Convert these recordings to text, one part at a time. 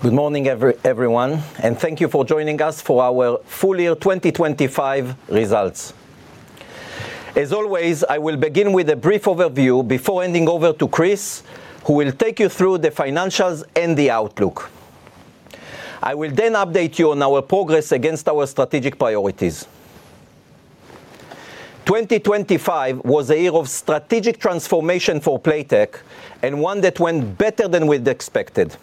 Good morning everyone, and thank you for joining us for our full year 2025 results. As always, I will begin with a brief overview before handing over to Chris, who will take you through the financials and the outlook. I will then update you on our progress against our strategic priorities. 2025 was a year of strategic transformation for Playtech and one that went better than we'd expected.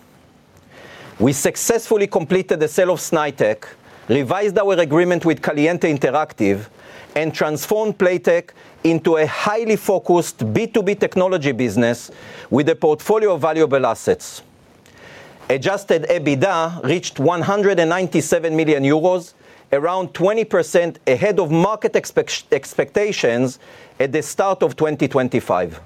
We successfully completed the sale of Snaitech, revised our agreement with Caliente Interactive, and transformed Playtech into a highly focused B2B technology business with a portfolio of valuable assets. Adjusted EBITDA reached 197 million euros, around 20% ahead of market expectations at the start of 2025.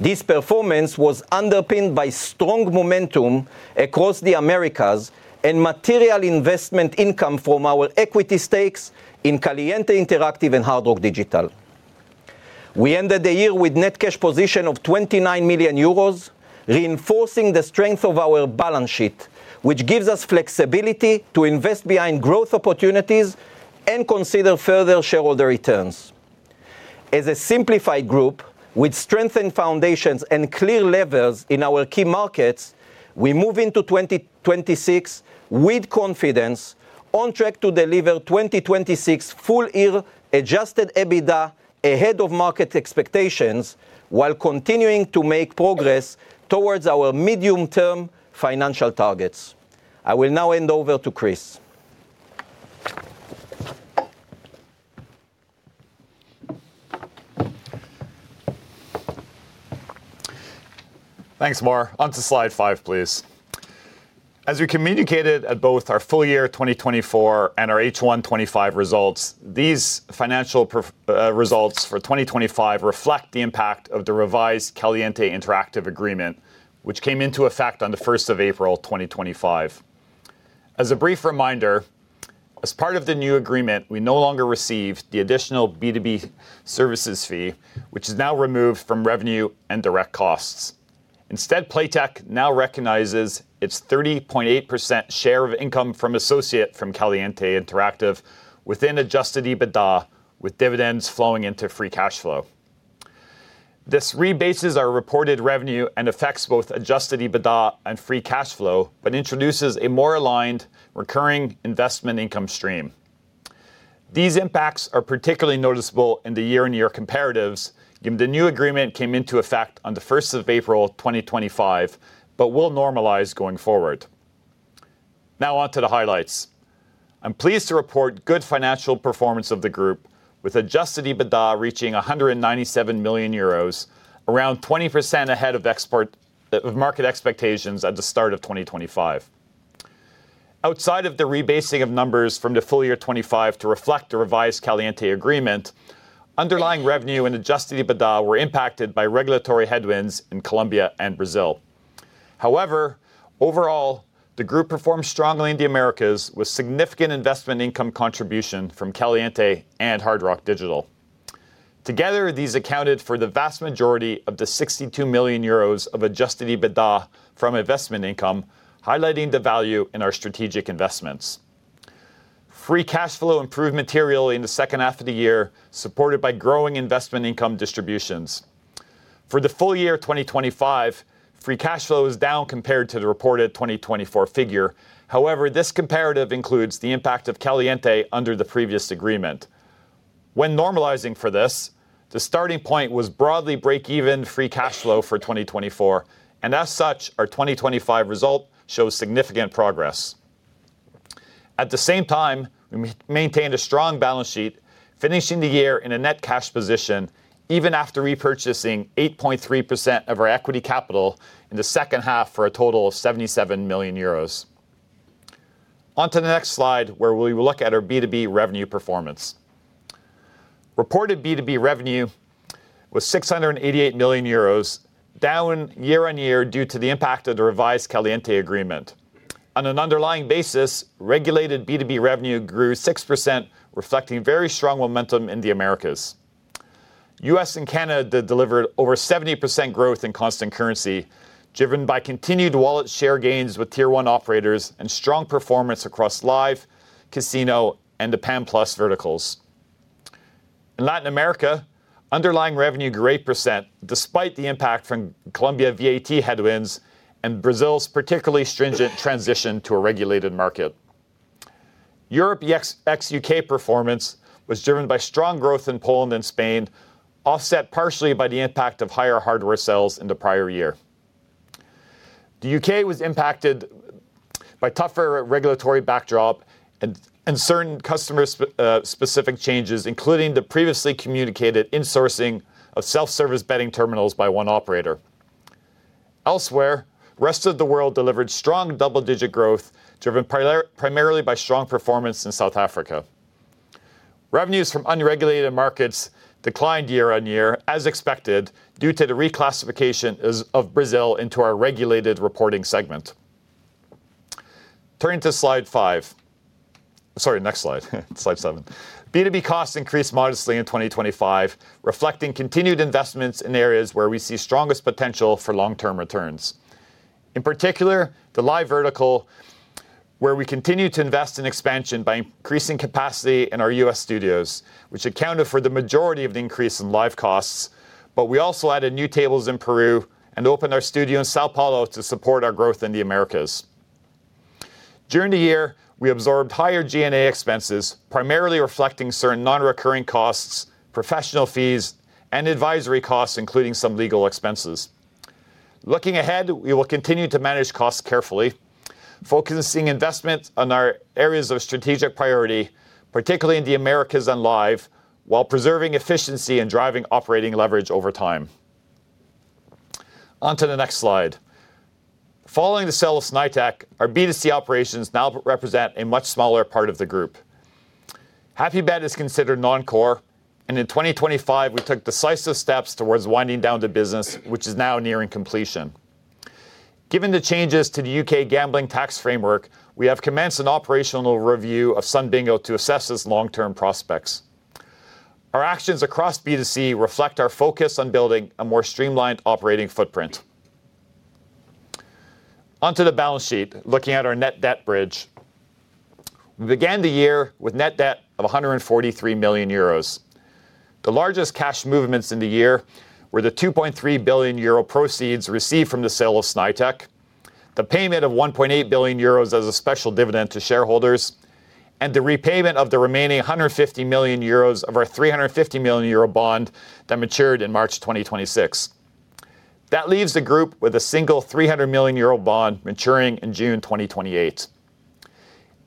This performance was underpinned by strong momentum across the Americas and material investment income from our equity stakes in Caliente Interactive and Hard Rock Digital. We ended the year with net cash position of 29 million euros, reinforcing the strength of our balance sheet, which gives us flexibility to invest behind growth opportunities and consider further shareholder returns. As a simplified group with strengthened foundations and clear levels in our key markets, we move into 2026 with confidence on track to deliver 2026 full year adjusted EBITDA ahead of market expectations while continuing to make progress towards our medium-term financial targets. I will now hand over to Chris. Thanks, Mor. On to slide five, please. As we communicated at both our full year 2024 and our H1 2025 results, these financial results for 2025 reflect the impact of the revised Caliente Interactive agreement, which came into effect on April 1st, 2025. As a brief reminder, as part of the new agreement, we no longer receive the additional B2B services fee, which is now removed from revenue and direct costs. Instead, Playtech now recognizes its 30.8% share of income from associate from Caliente Interactive within adjusted EBITDA, with dividends flowing into free cash flow. This rebases our reported revenue and affects both adjusted EBITDA and free cash flow but introduces a more aligned recurring investment income stream. These impacts are particularly noticeable in the year-on-year comparatives given the new agreement came into effect on the 1st of April, 2025, but will normalize going forward. Now on to the highlights. I'm pleased to report good financial performance of the group with adjusted EBITDA reaching 197 million euros, around 20% ahead of market expectations at the start of 2025. Outside of the rebasing of numbers from the full year 2025 to reflect the revised Caliente agreement, underlying revenue and adjusted EBITDA were impacted by regulatory headwinds in Colombia and Brazil. However, overall, the group performed strongly in the Americas with significant investment income contribution from Caliente and Hard Rock Digital. Together, these accounted for the vast majority of the 62 million euros of adjusted EBITDA from investment income, highlighting the value in our strategic investments. Free cash flow improved materially in the second half of the year, supported by growing investment income distributions. For the full year 2025, free cash flow is down compared to the reported 2024 figure. However, this comparative includes the impact of Caliente under the previous agreement. When normalizing for this, the starting point was broadly break-even free cash flow for 2024, and as such, our 2025 result shows significant progress. At the same time, we maintained a strong balance sheet, finishing the year in a net cash position even after repurchasing 8.3% of our equity capital in the second half for a total of 77 million euros. On to the next slide, where we will look at our B2B revenue performance. Reported B2B revenue was 688 million euros, down year-on-year due to the impact of the revised Caliente agreement. On an underlying basis, regulated B2B revenue grew 6%, reflecting very strong momentum in the Americas. U.S. and Canada delivered over 70% growth in constant currency, driven by continued wallet share gains with tier one operators and strong performance across live, casino, and the PAM+ verticals. In Latin America, underlying revenue grew 8%, despite the impact from Colombia VAT headwinds and Brazil's particularly stringent transition to a regulated market. Europe ex-U.K. performance was driven by strong growth in Poland and Spain, offset partially by the impact of higher hardware sales in the prior year. The U.K. was impacted by tougher regulatory backdrop and certain customer specific changes, including the previously communicated insourcing of self-service betting terminals by one operator. Elsewhere, rest of the world delivered strong double-digit growth, driven primarily by strong performance in South Africa. Revenues from unregulated markets declined year-on-year as expected, due to the reclassification of Brazil into our regulated reporting segment. Turning to slide seven. B2B costs increased modestly in 2025, reflecting continued investments in areas where we see strongest potential for long-term returns. In particular, the live vertical, where we continue to invest in expansion by increasing capacity in our U.S. studios, which accounted for the majority of the increase in live costs. We also added new tables in Peru and opened our studio in São Paulo to support our growth in the Americas. During the year, we absorbed higher G&A expenses, primarily reflecting certain non-recurring costs, professional fees, and advisory costs, including some legal expenses. Looking ahead, we will continue to manage costs carefully, focusing investment on our areas of strategic priority, particularly in the Americas and live, while preserving efficiency and driving operating leverage over time. On to the next slide. Following the sale of Snaitech, our B2C operations now represent a much smaller part of the group. Happybet is considered non-core, and in 2025 we took decisive steps towards winding down the business, which is now nearing completion. Given the changes to the U.K. gambling tax framework, we have commenced an operational review of Sun Bingo to assess its long-term prospects. Our actions across B2C reflect our focus on building a more streamlined operating footprint. On to the balance sheet, looking at our net debt bridge. We began the year with net debt of 143 million euros. The largest cash movements in the year were the 2.3 billion euro proceeds received from the sale of Snaitech, the payment of 1.8 billion euros as a special dividend to shareholders, and the repayment of the remaining 150 million euros of our 350 million euro bond that matured in March 2026. That leaves the group with a single 300 million euro bond maturing in June 2028.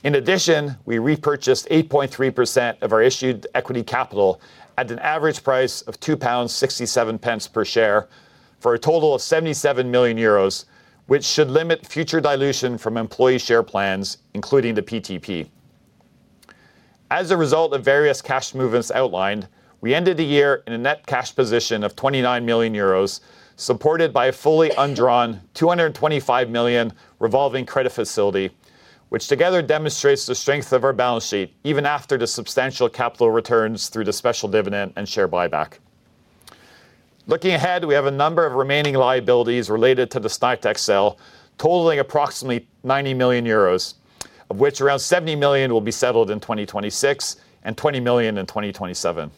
In addition, we repurchased 8.3% of our issued equity capital at an average price of EUR 2.67 per share for a total of 77 million euros, which should limit future dilution from employee share plans, including the PTP. As a result of various cash movements outlined, we ended the year in a net cash position of 29 million euros, supported by a fully undrawn 225 million revolving credit facility, which together demonstrates the strength of our balance sheet, even after the substantial capital returns through the special dividend and share buyback. Looking ahead, we have a number of remaining liabilities related to the Snaitech sale, totaling approximately 90 million euros, of which around 70 million will be settled in 2026 and 20 million in 2027.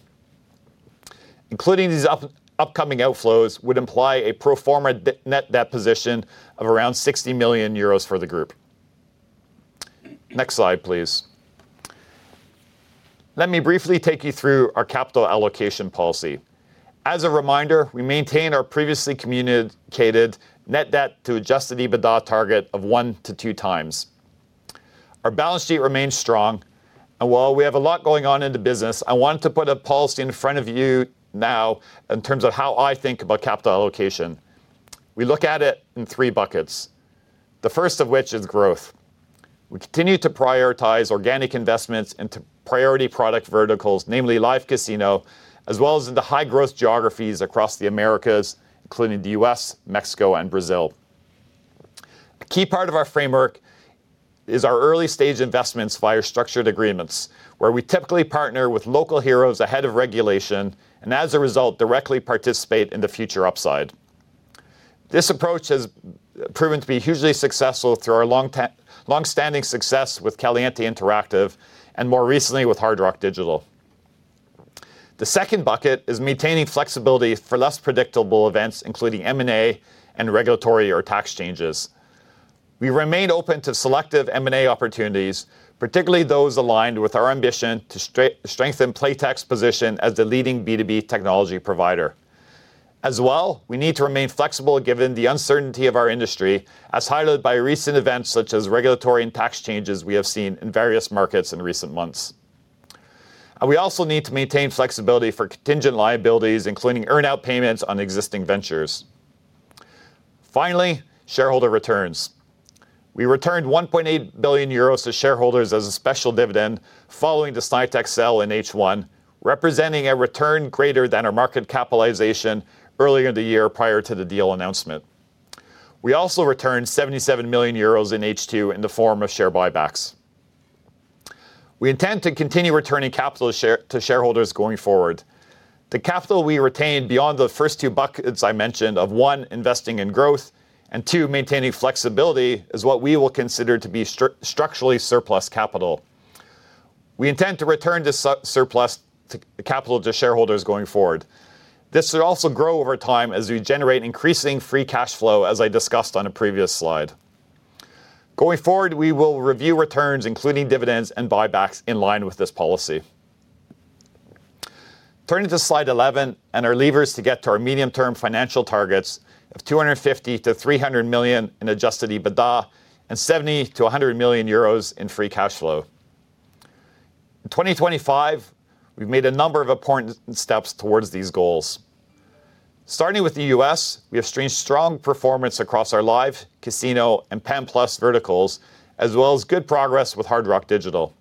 Including these upcoming outflows would imply a pro forma net debt position of around 60 million euros for the group. Next slide, please. Let me briefly take you through our capital allocation policy. As a reminder, we maintain our previously communicated net debt to adjusted EBITDA target of one-two times. Our balance sheet remains strong, and while we have a lot going on in the business, I want to put a policy in front of you now in terms of how I think about capital allocation. We look at it in three buckets. The first of which is growth. We continue to prioritize organic investments into priority product verticals, namely live casino, as well as in the high-growth geographies across the Americas, including the U.S., Mexico, and Brazil. A key part of our framework is our early-stage investments via structured agreements, where we typically partner with local heroes ahead of regulation and as a result, directly participate in the future upside. This approach has proven to be hugely successful through our long-standing success with Caliente Interactive and more recently with Hard Rock Digital. The second bucket is maintaining flexibility for less predictable events, including M&A and regulatory or tax changes. We remain open to selective M&A opportunities, particularly those aligned with our ambition to strengthen Playtech's position as the leading B2B technology provider. As well, we need to remain flexible given the uncertainty of our industry, as highlighted by recent events such as regulatory and tax changes we have seen in various markets in recent months. We also need to maintain flexibility for contingent liabilities, including earn-out payments on existing ventures. Finally, shareholder returns. We returned 1.8 billion euros to shareholders as a special dividend following the Snaitech sale in H1, representing a return greater than our market capitalization earlier in the year prior to the deal announcement. We also returned 77 million euros in H2 in the form of share buybacks. We intend to continue returning capital to shareholders going forward. The capital we retain beyond the first two buckets I mentioned of, one, investing in growth and two, maintaining flexibility, is what we will consider to be structurally surplus capital. We intend to return this surplus capital to shareholders going forward. This should also grow over time as we generate increasing free cash flow, as I discussed on a previous slide. Going forward, we will review returns, including dividends and buybacks, in line with this policy. Turning to slide 11 and our levers to get to our medium-term financial targets of 250-300 million in adjusted EBITDA and 70 million-100 million euros in free cash flow. In 2025, we've made a number of important steps towards these goals. Starting with the U.S., we have seen strong performance across our live, casino, and PAM+ verticals, as well as good progress with Hard Rock Digital.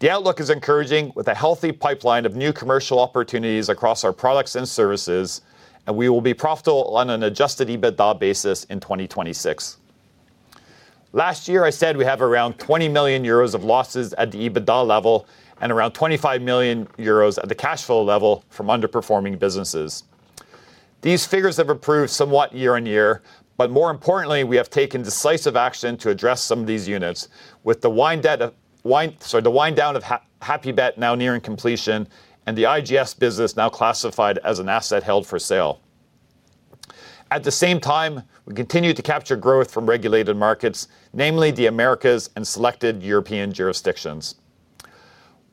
The outlook is encouraging with a healthy pipeline of new commercial opportunities across our products and services, and we will be profitable on an adjusted EBITDA basis in 2026. Last year, I said we have around 20 million euros of losses at the EBITDA level and around 25 million euros at the cash flow level from underperforming businesses. These figures have improved somewhat year-on-year, but more importantly, we have taken decisive action to address some of these units with the wind down of Happybet now nearing completion and the IGS business now classified as an asset held for sale. At the same time, we continue to capture growth from regulated markets, namely the Americas and selected European jurisdictions.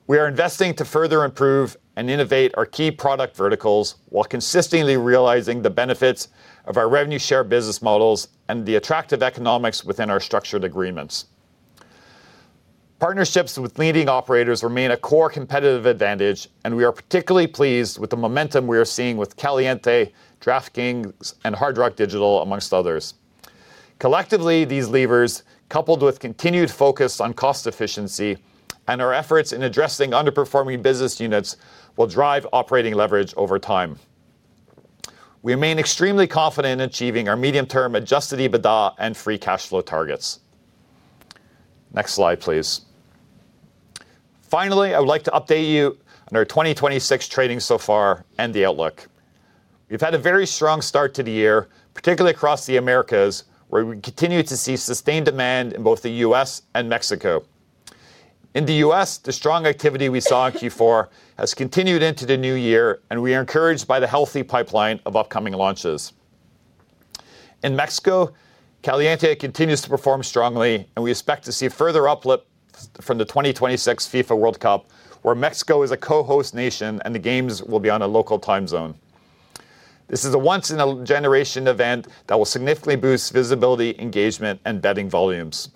We are investing to further improve and innovate our key product verticals while consistently realizing the benefits of our revenue share business models and the attractive economics within our structured agreements. Partnerships with leading operators remain a core competitive advantage, and we are particularly pleased with the momentum we are seeing with Caliente, DraftKings, and Hard Rock Digital, among others. Collectively, these levers, coupled with continued focus on cost efficiency and our efforts in addressing underperforming business units, will drive operating leverage over time. We remain extremely confident in achieving our medium-term adjusted EBITDA and free cash flow targets. Next slide, please. Finally, I would like to update you on our 2026 trading so far and the outlook. We've had a very strong start to the year, particularly across the Americas, where we continue to see sustained demand in both the U.S. and Mexico. In the U.S., the strong activity we saw in Q4 has continued into the new year, and we are encouraged by the healthy pipeline of upcoming launches. In Mexico, Caliente continues to perform strongly, and we expect to see further uplift from the 2026 FIFA World Cup, where Mexico is a co-host nation and the games will be on a local time zone. This is a once in a generation event that will significantly boost visibility, engagement, and betting volumes.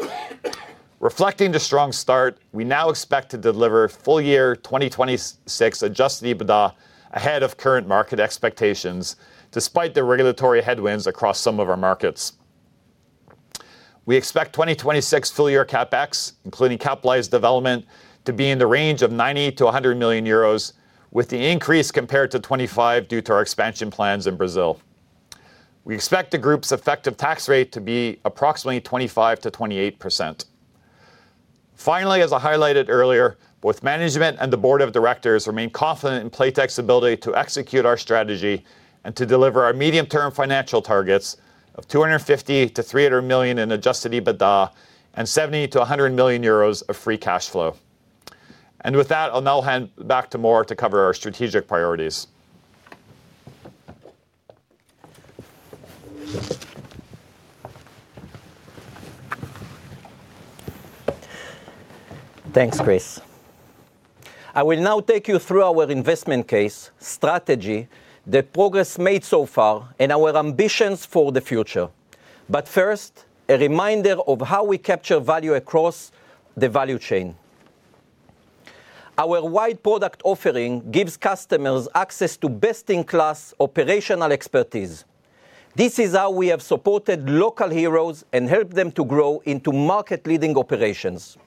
Reflecting the strong start, we now expect to deliver full year 2026 adjusted EBITDA ahead of current market expectations, despite the regulatory headwinds across some of our markets. We expect 2026 full year CapEx, including capitalized development, to be in the range of 90 million-100 million euros, with the increase compared to 2025 due to our expansion plans in Brazil. We expect the group's effective tax rate to be approximately 25%-28%. Finally, as I highlighted earlier, both management and the board of directors remain confident in Playtech's ability to execute our strategy and to deliver our medium-term financial targets of 250 million-300 million in adjusted EBITDA and 70 million-100 million euros of free cash flow. With that, I'll now hand back to Mor to cover our strategic priorities. Thanks, Chris. I will now take you through our investment case, strategy, the progress made so far, and our ambitions for the future. First, a reminder of how we capture value across the value chain. Our wide product offering gives customers access to best-in-class operational expertise. This is how we have supported local heroes and helped them to grow into market-leading operations.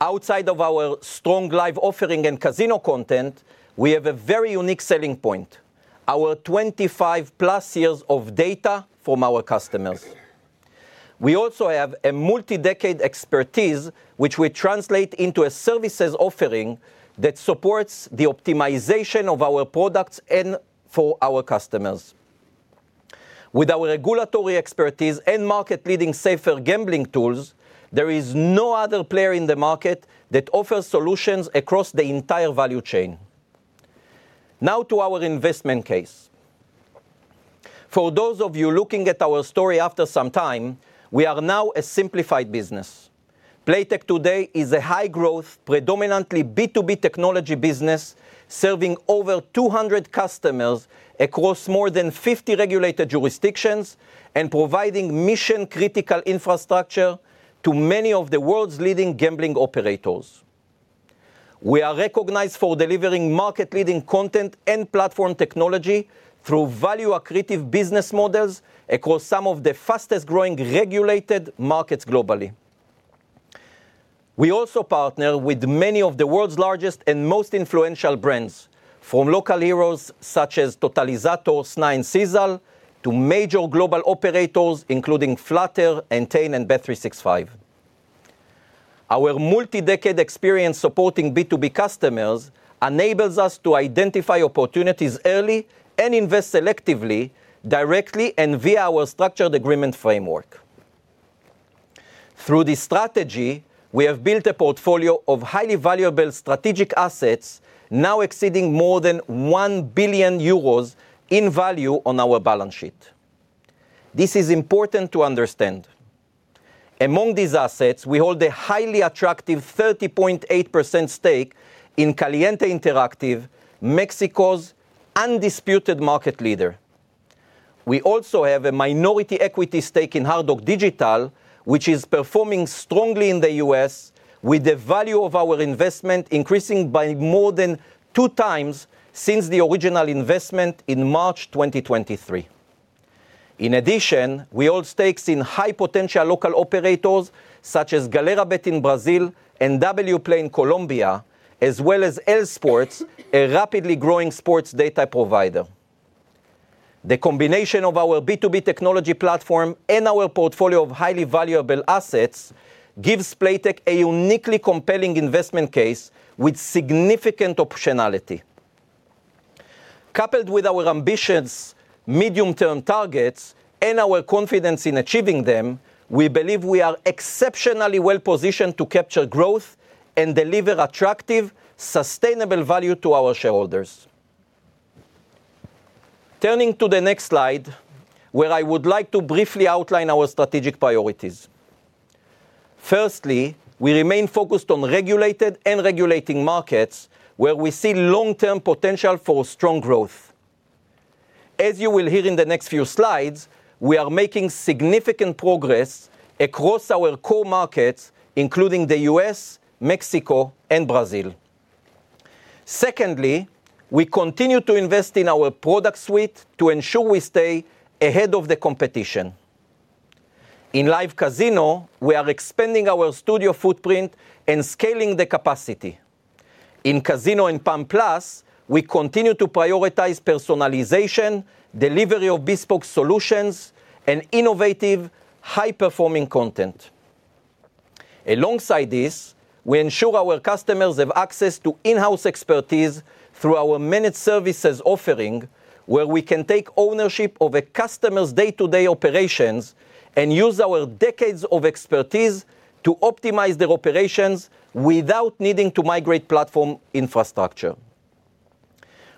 Outside of our strong live offering and casino content, we have a very unique selling point, our 25+ years of data from our customers. We also have a multi-decade expertise, which we translate into a services offering that supports the optimization of our products and for our customers. With our regulatory expertise and market-leading safer gambling tools, there is no other player in the market that offers solutions across the entire value chain. Now to our investment case. For those of you looking at our story after some time, we are now a simplified business. Playtech today is a high-growth, predominantly B2B technology business, serving over 200 customers across more than 50 regulated jurisdictions and providing mission-critical infrastructure to many of the world's leading gambling operators. We are recognized for delivering market-leading content and platform technology through value-accretive business models across some of the fastest-growing regulated markets globally. We also partner with many of the world's largest and most influential brands, from local heroes such as Totalizator, SNAI, and Sisal, to major global operators, including Flutter, Entain, and bet365. Our multi-decade experience supporting B2B customers enables us to identify opportunities early and invest selectively, directly, and via our structured agreement framework. Through this strategy, we have built a portfolio of highly valuable strategic assets now exceeding more than 1 billion euros in value on our balance sheet. This is important to understand. Among these assets, we hold a highly attractive 30.8% stake in Caliente Interactive, Mexico's undisputed market leader. We also have a minority equity stake in Hard Rock Digital, which is performing strongly in the U.S., with the value of our investment increasing by more than 2x since the original investment in March 2023. In addition, we hold stakes in high potential local operators such as Galera.bet in Brazil and Wplay in Colombia, as well as LSports, a rapidly growing sports data provider. The combination of our B2B technology platform and our portfolio of highly valuable assets gives Playtech a uniquely compelling investment case with significant optionality. Coupled with our ambitions, medium-term targets, and our confidence in achieving them, we believe we are exceptionally well positioned to capture growth and deliver attractive, sustainable value to our shareholders. Turning to the next slide, where I would like to briefly outline our strategic priorities. Firstly, we remain focused on regulated and regulating markets, where we see long-term potential for strong growth. As you will hear in the next few slides, we are making significant progress across our core markets, including the U.S., Mexico, and Brazil. Secondly, we continue to invest in our product suite to ensure we stay ahead of the competition. In live casino, we are expanding our studio footprint and scaling the capacity. In casino and PAM+, we continue to prioritize personalization, delivery of bespoke solutions, and innovative, high-performing content. Alongside this, we ensure our customers have access to in-house expertise through our managed services offering, where we can take ownership of a customer's day-to-day operations and use our decades of expertise to optimize their operations without needing to migrate platform infrastructure.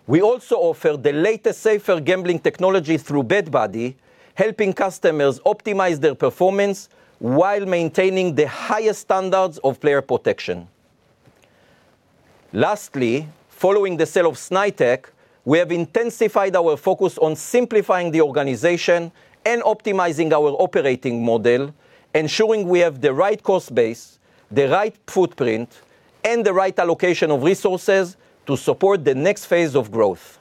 We also offer the latest safer gambling technology through BetBuddy, helping customers optimize their performance while maintaining the highest standards of player protection. Lastly, following the sale of Snaitech, we have intensified our focus on simplifying the organization and optimizing our operating model, ensuring we have the right cost base, the right footprint, and the right allocation of resources to support the next phase of growth.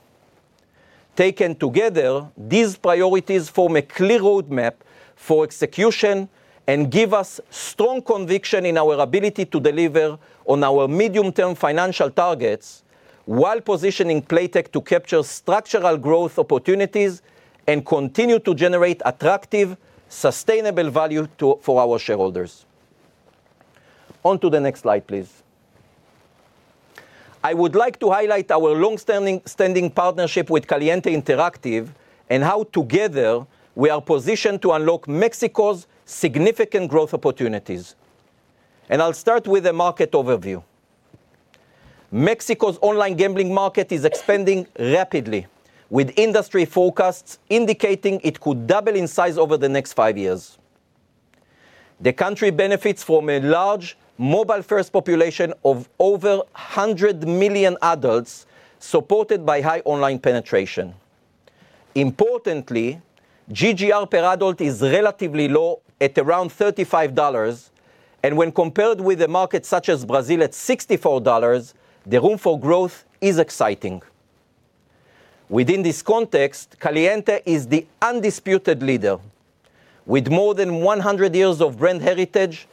Taken together, these priorities form a clear roadmap for execution and give us strong conviction in our ability to deliver on our medium-term financial targets while positioning Playtech to capture structural growth opportunities and continue to generate attractive, sustainable value to, for our shareholders. On to the next slide, please. I would like to highlight our long-standing partnership with Caliente Interactive and how together we are positioned to unlock Mexico's significant growth opportunities. I'll start with a market overview. Mexico's online gambling market is expanding rapidly, with industry forecasts indicating it could double in size over the next five years. The country benefits from a large mobile-first population of over 100 million adults, supported by high online penetration. Importantly, GGR per adult is relatively low at around $35, and when compared with a market such as Brazil at $64, the room for growth is exciting. Within this context, Caliente is the undisputed leader. With more than 100 years of brand heritage,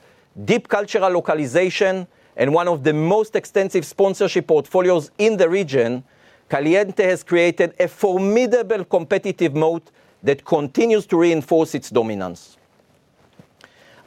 deep cultural localization, and one of the most extensive sponsorship portfolios in the region, Caliente has created a formidable competitive moat that continues to reinforce its dominance.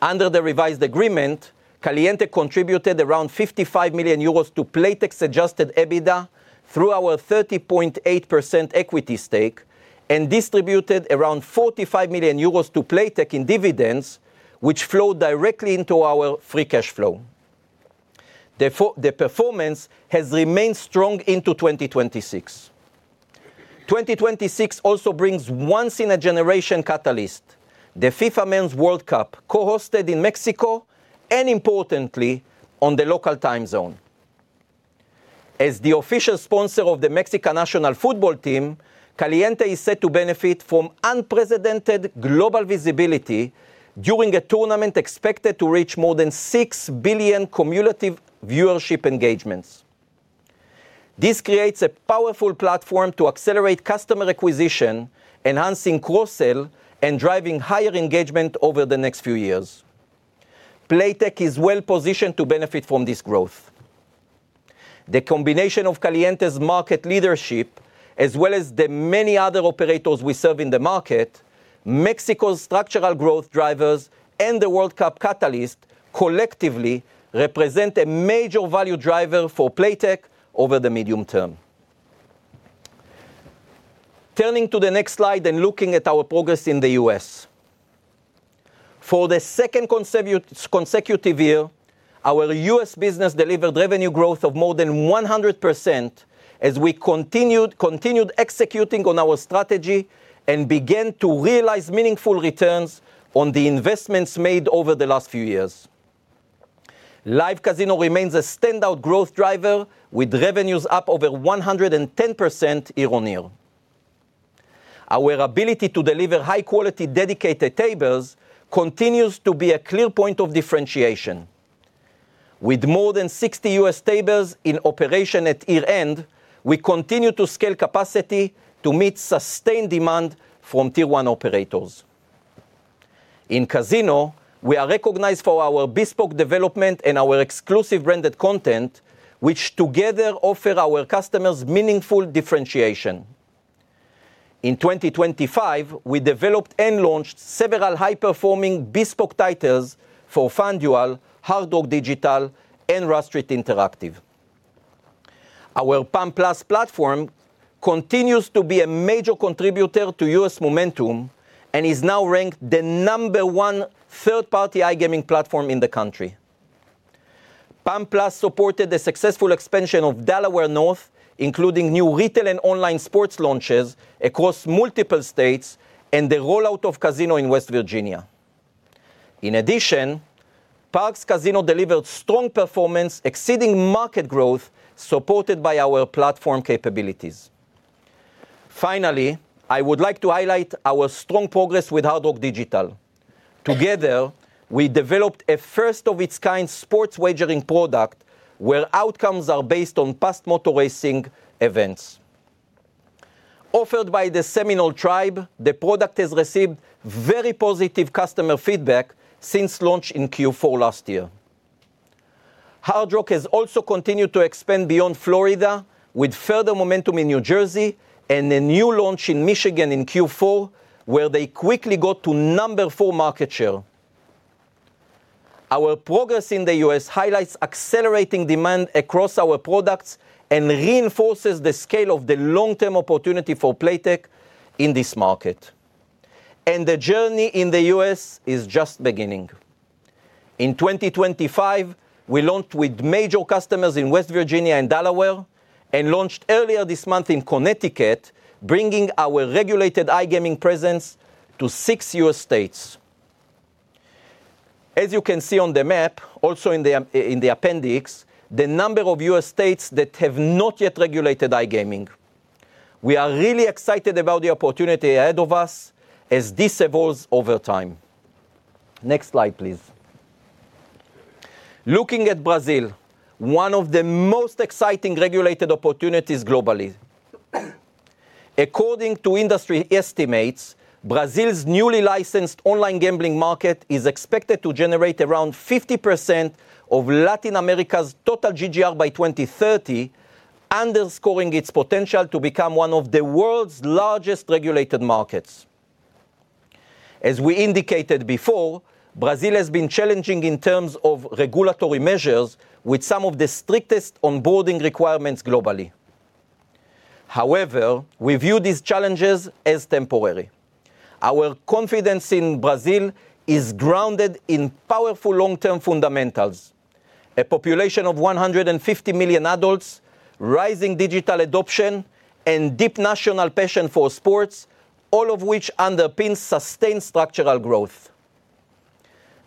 Under the revised agreement, Caliente contributed around 55 million euros to Playtech's adjusted EBITDA through our 38% equity stake and distributed around 45 million euros to Playtech in dividends, which flow directly into our free cash flow. The performance has remained strong into 2026. 2026 also brings once in a generation catalyst, the FIFA Men's World Cup, co-hosted in Mexico and importantly, on the local time zone. As the official sponsor of the Mexican national football team, Caliente is set to benefit from unprecedented global visibility during a tournament expected to reach more than 6 billion cumulative viewership engagements. This creates a powerful platform to accelerate customer acquisition, enhancing cross-sell, and driving higher engagement over the next few years. Playtech is well-positioned to benefit from this growth. The combination of Caliente's market leadership, as well as the many other operators we serve in the market, Mexico's structural growth drivers and the World Cup catalyst collectively represent a major value driver for Playtech over the medium term. Turning to the next slide and looking at our progress in the U.S. For the second consecutive year, our U.S. business delivered revenue growth of more than 100% as we continued executing on our strategy and began to realize meaningful returns on the investments made over the last few years. Live casino remains a standout growth driver with revenues up over 110% year-on-year. Our ability to deliver high-quality dedicated tables continues to be a clear point of differentiation. With more than 60 U.S. tables in operation at year-end, we continue to scale capacity to meet sustained demand from tier one operators. In casino, we are recognized for our bespoke development and our exclusive branded content, which together offer our customers meaningful differentiation. In 2025, we developed and launched several high-performing bespoke titles for FanDuel, Hard Rock Digital, and Rush Street Interactive. Our PAM+ platform continues to be a major contributor to U.S. momentum and is now ranked the number one third-party iGaming platform in the country. PAM+ supported the successful expansion of Delaware North, including new retail and online sports launches across multiple states and the rollout of casino in West Virginia. In addition, Parx Casino delivered strong performance exceeding market growth, supported by our platform capabilities. Finally, I would like to highlight our strong progress with Hard Rock Digital. Together, we developed a first-of-its-kind sports wagering product where outcomes are based on past motor racing events. Offered by the Seminole Tribe, the product has received very positive customer feedback since launch in Q4 last year. Hard Rock has also continued to expand beyond Florida with further momentum in New Jersey and a new launch in Michigan in Q4, where they quickly got to number four market share. Our progress in the U.S. highlights accelerating demand across our products and reinforces the scale of the long-term opportunity for Playtech in this market. The journey in the U.S. is just beginning. In 2025, we launched with major customers in West Virginia and Delaware and launched earlier this month in Connecticut, bringing our regulated iGaming presence to six U.S. states. As you can see on the map, also in the appendix, the number of U.S. states that have not yet regulated iGaming. We are really excited about the opportunity ahead of us as this evolves over time. Next slide, please. Looking at Brazil, one of the most exciting regulated opportunities globally. According to industry estimates, Brazil's newly licensed online gambling market is expected to generate around 50% of Latin America's total GGR by 2030, underscoring its potential to become one of the world's largest regulated markets. We indicated before, Brazil has been challenging in terms of regulatory measures with some of the strictest onboarding requirements globally. We view these challenges as temporary. Our confidence in Brazil is grounded in powerful long-term fundamentals, a population of 150 million adults, rising digital adoption, and deep national passion for sports, all of which underpins sustained structural growth.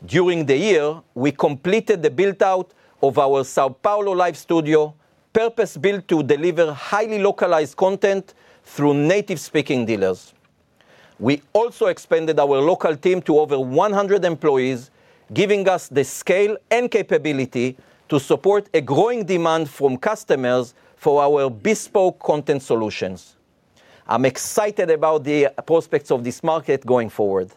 During the year, we completed the build-out of our São Paulo live studio, purpose-built to deliver highly localized content through native-speaking dealers. We also expanded our local team to over 100 employees, giving us the scale and capability to support a growing demand from customers for our bespoke content solutions. I'm excited about the prospects of this market going forward.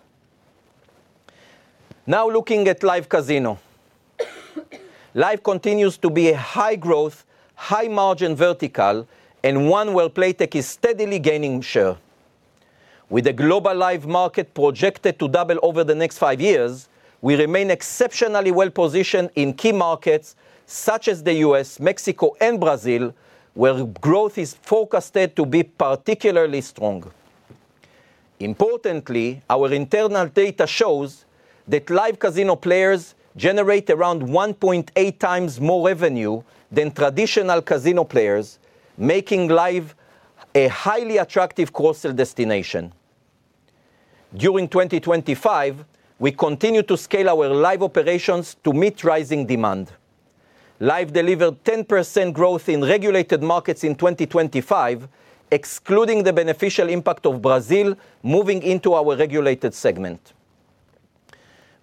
Now looking at live casino, live continues to be a high-growth, high-margin vertical and one where Playtech is steadily gaining share. With the global live market projected to double over the next five years, we remain exceptionally well-positioned in key markets such as the U.S., Mexico, and Brazil, where growth is forecasted to be particularly strong. Importantly, our internal data shows that live casino players generate around 1.8x more revenue than traditional casino players, making live a highly attractive cross-sell destination. During 2025, we continued to scale our live operations to meet rising demand. Live delivered 10% growth in regulated markets in 2025, excluding the beneficial impact of Brazil moving into our regulated segment.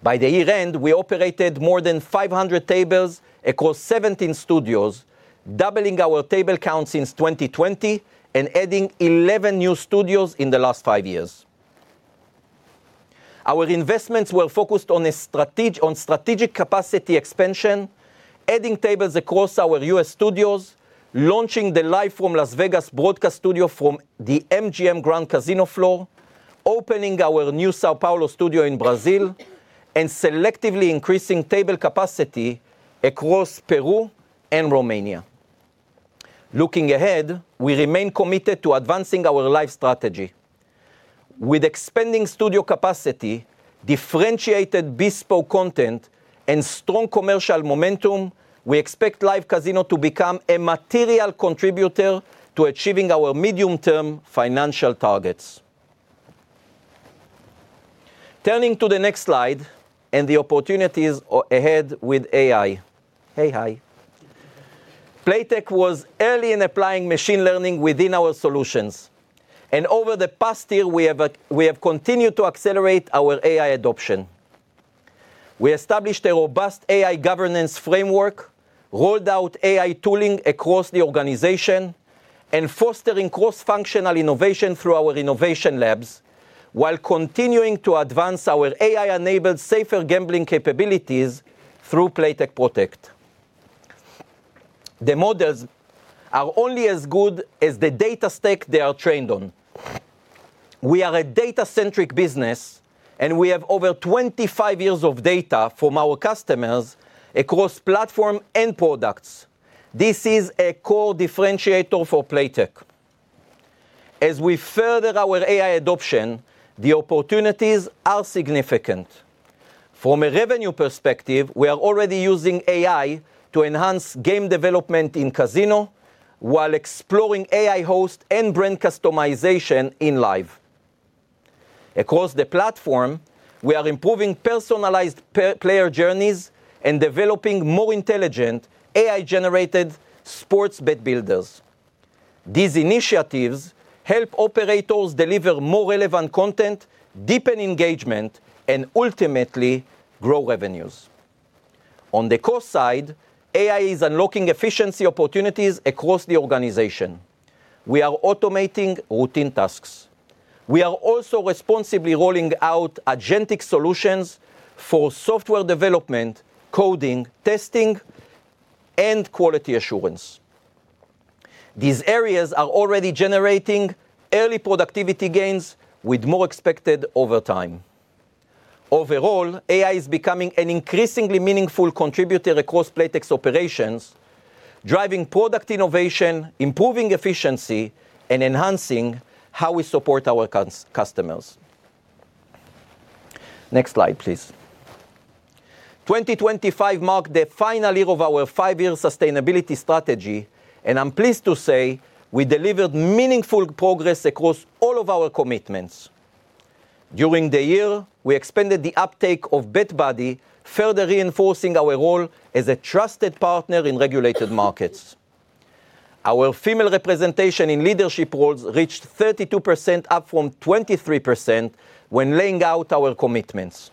By year-end, we operated more than 500 tables across 17 studios, doubling our table count since 2020 and adding 11 new studios in the last five years. Our investments were focused on strategic capacity expansion, adding tables across our U.S. studios, launching the live from Las Vegas broadcast studio from the MGM Grand casino floor, opening our new São Paulo studio in Brazil, and selectively increasing table capacity across Peru and Romania. Looking ahead, we remain committed to advancing our live strategy. With expanding studio capacity, differentiated bespoke content, and strong commercial momentum, we expect live casino to become a material contributor to achieving our medium-term financial targets. Turning to the next slide and the opportunities ahead with AI. Hey, hi. Playtech was early in applying machine learning within our solutions, and over the past year, we have continued to accelerate our AI adoption. We established a robust AI governance framework, rolled out AI tooling across the organization, and fostering cross-functional innovation through our innovation labs while continuing to advance our AI-enabled safer gambling capabilities through Playtech Protect. The models are only as good as the data stack they are trained on. We are a data-centric business, and we have over 25 years of data from our customers across platform and products. This is a core differentiator for Playtech. As we further our AI adoption, the opportunities are significant. From a revenue perspective, we are already using AI to enhance game development in Casino while exploring AI host and brand customization in Live. Across the platform, we are improving personalized player journeys and developing more intelligent AI-generated sports bet builders. These initiatives help operators deliver more relevant content, deepen engagement, and ultimately grow revenues. On the cost side, AI is unlocking efficiency opportunities across the organization. We are automating routine tasks. We are also responsibly rolling out agentic solutions for software development, coding, testing, and quality assurance. These areas are already generating early productivity gains with more expected over time. Overall, AI is becoming an increasingly meaningful contributor across Playtech's operations, driving product innovation, improving efficiency, and enhancing how we support our customers. Next slide, please. 2025 marked the final year of our five year sustainability strategy, and I'm pleased to say we delivered meaningful progress across all of our commitments. During the year, we expanded the uptake of BetBuddy, further reinforcing our role as a trusted partner in regulated markets. Our female representation in leadership roles reached 32%, up from 23% when laying out our commitments.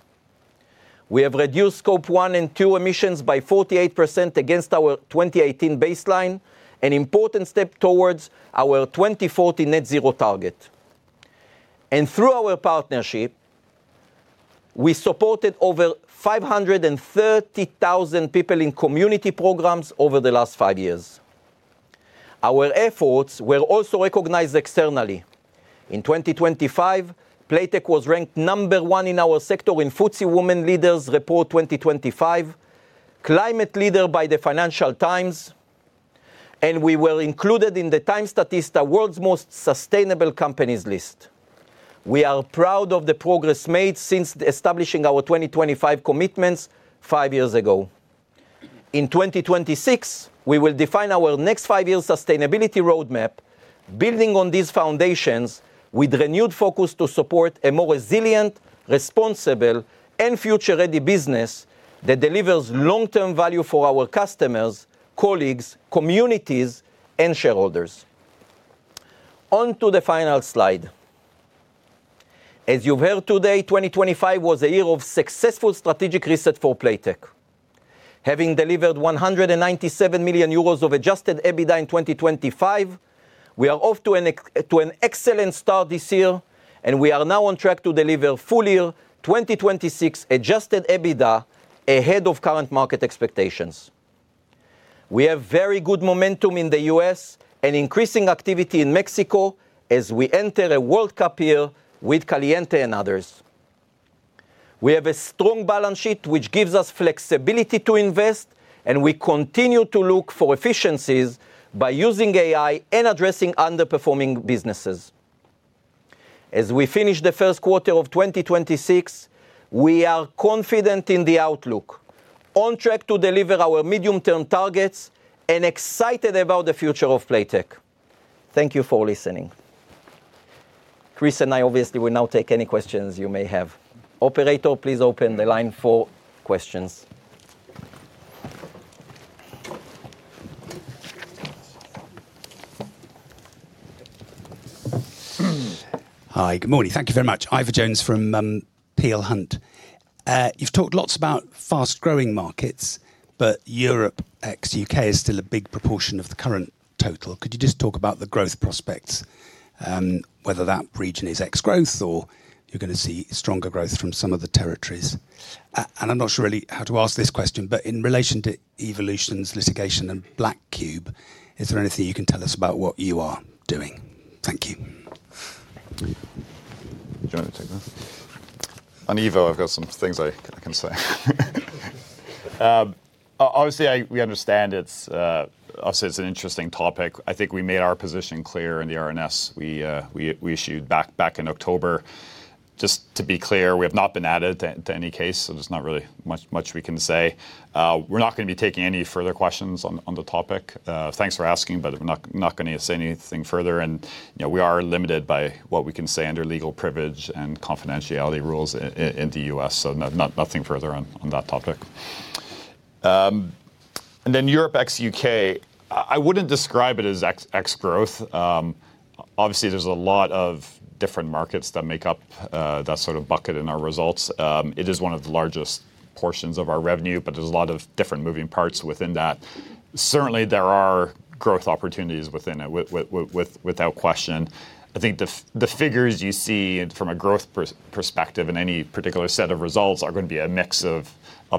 We have reduced scope one and two emissions by 48% against our 2018 baseline, an important step towards our 2040 net zero target. Through our partnership, we supported over 530,000 people in community programs over the last five years. Our efforts were also recognized externally. In 2025, Playtech was ranked number one in our sector in FTSE Women Leaders Review 2025, Climate Leader by the Financial Times, and we were included in the TIME Statista World's Most Sustainable Companies list. We are proud of the progress made since establishing our 2025 commitments five years ago. In 2026, we will define our next five-year sustainability roadmap, building on these foundations with renewed focus to support a more resilient, responsible, and future-ready business that delivers long-term value for our customers, colleagues, communities, and shareholders. On to the final slide. As you've heard today, 2025 was a year of successful strategic reset for Playtech. Having delivered 197 million euros of adjusted EBITDA in 2025, we are off to an excellent start this year, and we are now on track to deliver full year 2026 adjusted EBITDA ahead of current market expectations. We have very good momentum in the U.S. and increasing activity in Mexico as we enter a World Cup year with Caliente and others. We have a strong balance sheet which gives us flexibility to invest, and we continue to look for efficiencies by using AI and addressing underperforming businesses. As we finish the first quarter of 2026, we are confident in the outlook, on track to deliver our medium-term targets, and excited about the future of Playtech. Thank you for listening. Chris and I obviously will now take any questions you may have. Operator, please open the line for questions. Hi. Good morning. Thank you very much. Ivor Jones from Peel Hunt. You've talked lots about fast-growing markets, but Europe ex U.K. is still a big proportion of the current total. Could you just talk about the growth prospects, whether that region is ex growth or you're gonna see stronger growth from some of the territories? I'm not sure really how to ask this question, but in relation to Evolution's litigation and Black Cube, is there anything you can tell us about what you are doing? Thank you. Do you want to take that? On Ivor, I've got some things I can say. Obviously, we understand it's obviously it's an interesting topic. I think we made our position clear in the RNS we issued back in October. Just to be clear, we have not been added to any case, so there's not really much we can say. We're not gonna be taking any further questions on the topic. Thanks for asking, but we're not gonna say anything further. You know, we are limited by what we can say under legal privilege and confidentiality rules in the U.S., so nothing further on that topic. Europe ex U.K., I wouldn't describe it as ex growth. Obviously, there's a lot of different markets that make up that sort of bucket in our results. It is one of the largest portions of our revenue, but there's a lot of different moving parts within that. Certainly, there are growth opportunities within it without question. I think the figures you see from a growth perspective in any particular set of results are gonna be a mix of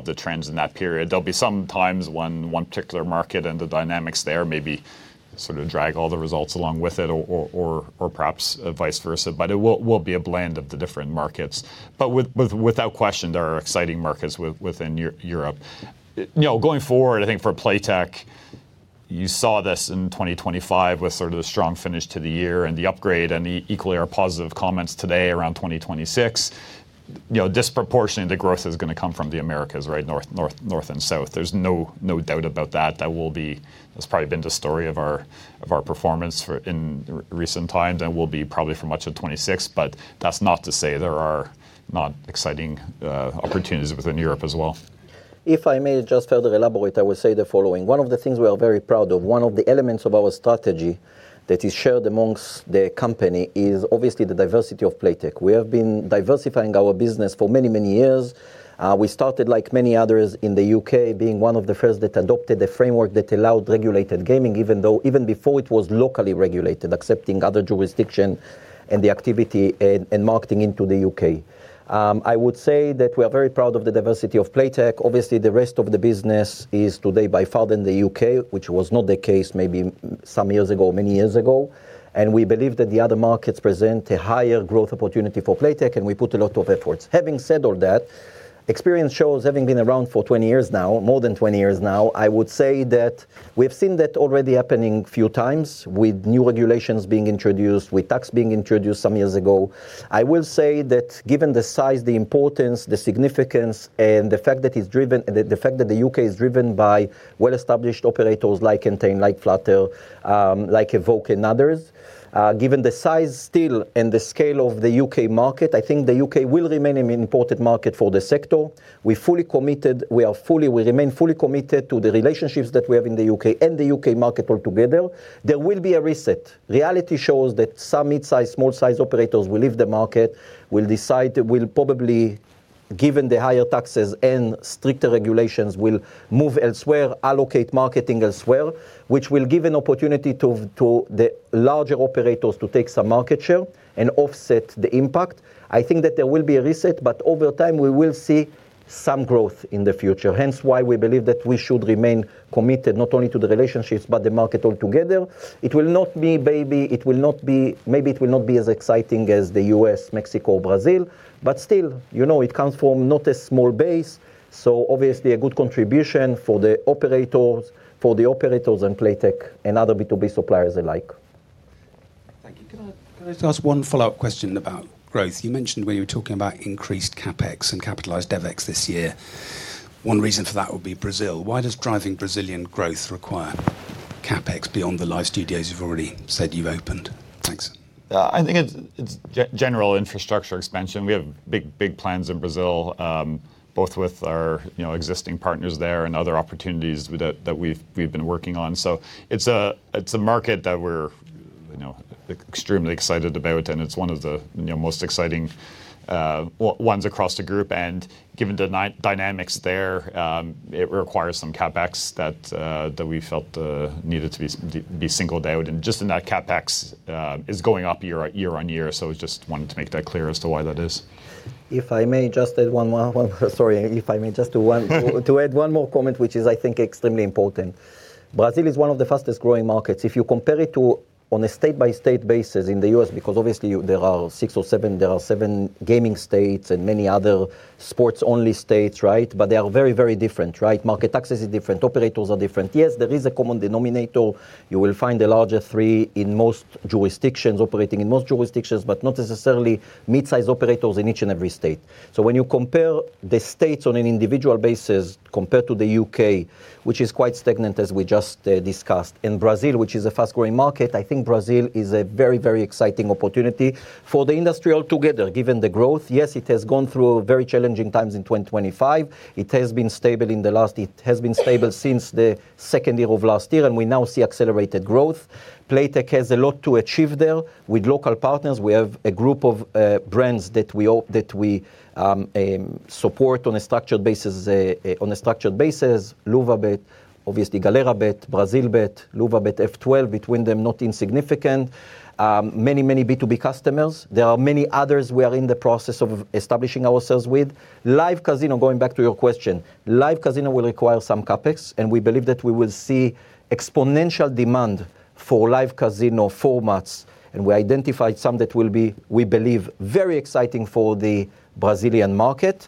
the trends in that period. There'll be some times when one particular market and the dynamics there maybe sort of drag all the results along with it or perhaps vice versa. It will be a blend of the different markets. Without question, there are exciting markets within Europe. You know, going forward, I think for Playtech, you saw this in 2025 with sort of the strong finish to the year and the upgrade and the equally positive comments today around 2026. You know, disproportionately, the growth is gonna come from the Americas, right? North and South. There's no doubt about that. That's probably been the story of our performance in recent times and will be probably for much of 2026, but that's not to say there are not exciting opportunities within Europe as well. If I may just further elaborate, I will say the following. One of the things we are very proud of, one of the elements of our strategy that is shared amongst the company is obviously the diversity of Playtech. We have been diversifying our business for many, many years. We started like many others in the U.K., being one of the first that adopted the framework that allowed regulated gaming, even though even before it was locally regulated, accepting other jurisdiction and the activity and marketing into the U.K. I would say that we are very proud of the diversity of Playtech. Obviously, the rest of the business is today by far not in the U.K., which was not the case maybe some years ago, many years ago. We believe that the other markets present a higher growth opportunity for Playtech, and we put a lot of efforts. Having said all that, experience shows, having been around for 20 years now, more than 20 years now, I would say that we've seen that already happening few times with new regulations being introduced, with tax being introduced some years ago. I will say that given the size, the importance, the significance, and the fact that it's driven by well-established operators like Entain, like Flutter, like Evoke and others, given the size still and the scale of the U.K. market, I think the U.K. will remain an important market for the sector. We're fully committed. We remain fully committed to the relationships that we have in the U.K. and the U.K. market all together. There will be a reset. Reality shows that some mid-size, small-size operators will leave the market, probably given the higher taxes and stricter regulations, will move elsewhere, reallocate marketing as well, which will give an opportunity to the larger operators to take some market share and offset the impact. I think that there will be a reset, but over time, we will see some growth in the future. Hence why we believe that we should remain committed not only to the relationships, but the market altogether. Maybe it will not be as exciting as the U.S., Mexico, Brazil, but still, you know, it comes from not a small base. Obviously a good contribution for the operators and Playtech and other B2B suppliers alike. Thank you. Can I just ask one follow-up question about growth? You mentioned when you were talking about increased CapEx and capitalized DevEx this year, one reason for that would be Brazil. Why does driving Brazilian growth require CapEx beyond the live studios you've already said you've opened? Thanks. I think it's general infrastructure expansion. We have big plans in Brazil, both with our, you know, existing partners there and other opportunities that we've been working on. It's a market that we're, you know, extremely excited about, and it's one of the, you know, most exciting ones across the group. Given the dynamics there, it requires some CapEx that we felt needed to be singled out. Just in that CapEx is going up year on year. Just wanted to make that clear as to why that is. If I may just add one more comment, which is, I think, extremely important. Brazil is one of the fastest-growing markets. If you compare it to on a state-by-state basis in the U.S., because obviously there are seven gaming states and many other sports-only states, right? They are very, very different, right? Market taxes is different. Operators are different. Yes, there is a common denominator. You will find the larger three in most jurisdictions, operating in most jurisdictions, but not necessarily mid-size operators in each and every state. When you compare the states on an individual basis compared to the U.K., which is quite stagnant as we just discussed, and Brazil, which is a fast-growing market, I think Brazil is a very, very exciting opportunity for the industry altogether, given the growth. Yes, it has gone through very challenging times in 2025. It has been stable since the second year of last year, and we now see accelerated growth. Playtech has a lot to achieve there. With local partners, we have a group of brands that we support on a structured basis. Luva.bet, obviously Galera.bet, Brazil Bet, Luva.bet, F12.bet between them, not insignificant. Many B2B customers. There are many others we are in the process of establishing ourselves with. Live casino, going back to your question, live casino will require some CapEx, and we believe that we will see exponential demand for live casino formats, and we identified some that will be, we believe, very exciting for the Brazilian market,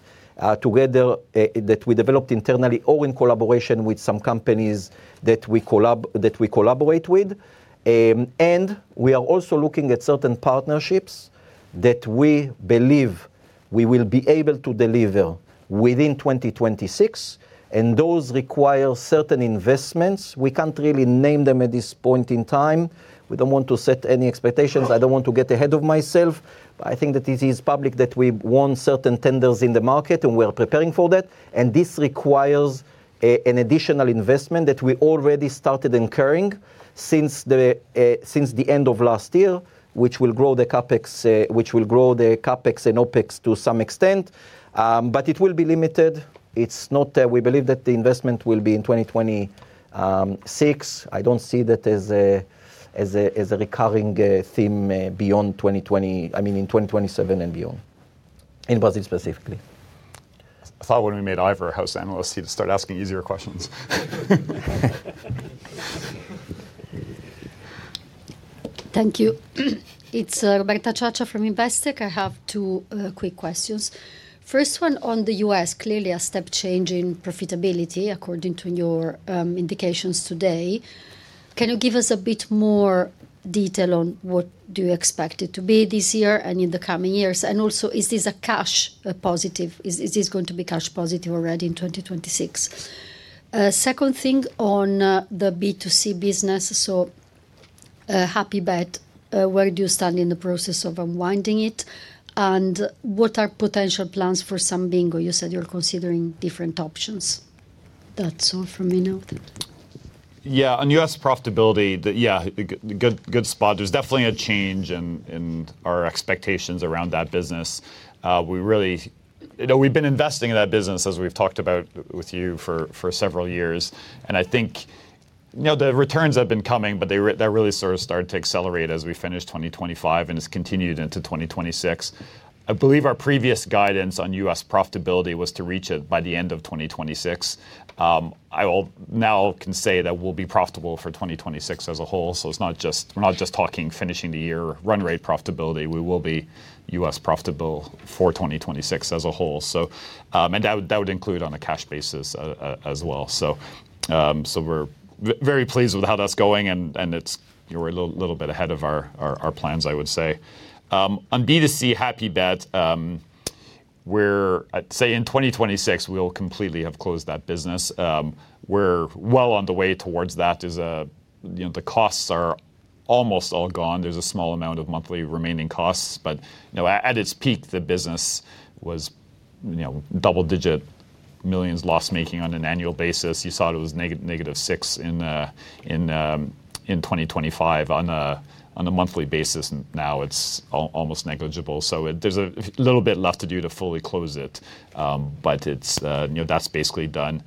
together, that we developed internally or in collaboration with some companies that we collaborate with. We are also looking at certain partnerships that we believe we will be able to deliver within 2026, and those require certain investments. We can't really name them at this point in time. We don't want to set any expectations. I don't want to get ahead of myself, but I think that it is public that we won certain tenders in the market, and we are preparing for that. This requires an additional investment that we already started incurring since the end of last year, which will grow the CapEx and OpEx to some extent, but it will be limited. It's not that we believe that the investment will be in 2026. I don't see that as a recurring theme beyond 2027. I mean in 2027 and beyond. In Brazil specifically. I thought when we made Ivor a house analyst, he'd start asking easier questions. Thank you. It's Roberta Ciaccia from Investec. I have two quick questions. First one on the U.S. Clearly a step change in profitability according to your indications today. Can you give us a bit more detail on what do you expect it to be this year and in the coming years? Also, is this a cash positive? Is this going to be cash positive already in 2026? Second thing on the B2C business. Happybet, where do you stand in the process of unwinding it? What are potential plans for Sun Bingo? You said you're considering different options. That's all from me now. Thank you. On U.S. profitability, good spot. There's definitely a change in our expectations around that business. We really, you know, we've been investing in that business, as we've talked about with you, for several years. I think, you know, the returns have been coming, but that really sort of started to accelerate as we finished 2025 and has continued into 2026. I believe our previous guidance on U.S. profitability was to reach it by the end of 2026. I can now say that we'll be profitable for 2026 as a whole, so it's not just finishing the year run rate profitability. We will be U.S. profitable for 2026 as a whole. That would include on a cash basis as well. We're very pleased with how that's going and it's, you know, we're a little bit ahead of our plans, I would say. On B2C, Happybet, we're. I'd say in 2026 we'll completely have closed that business. We're well on the way towards that. You know, the costs are almost all gone. There's a small amount of monthly remaining costs. You know, at its peak, the business was, you know, double-digit millions loss-making on an annual basis. You saw it was negative six in 2025 on a monthly basis. Now it's almost negligible. There's a little bit left to do to fully close it, but you know, that's basically done.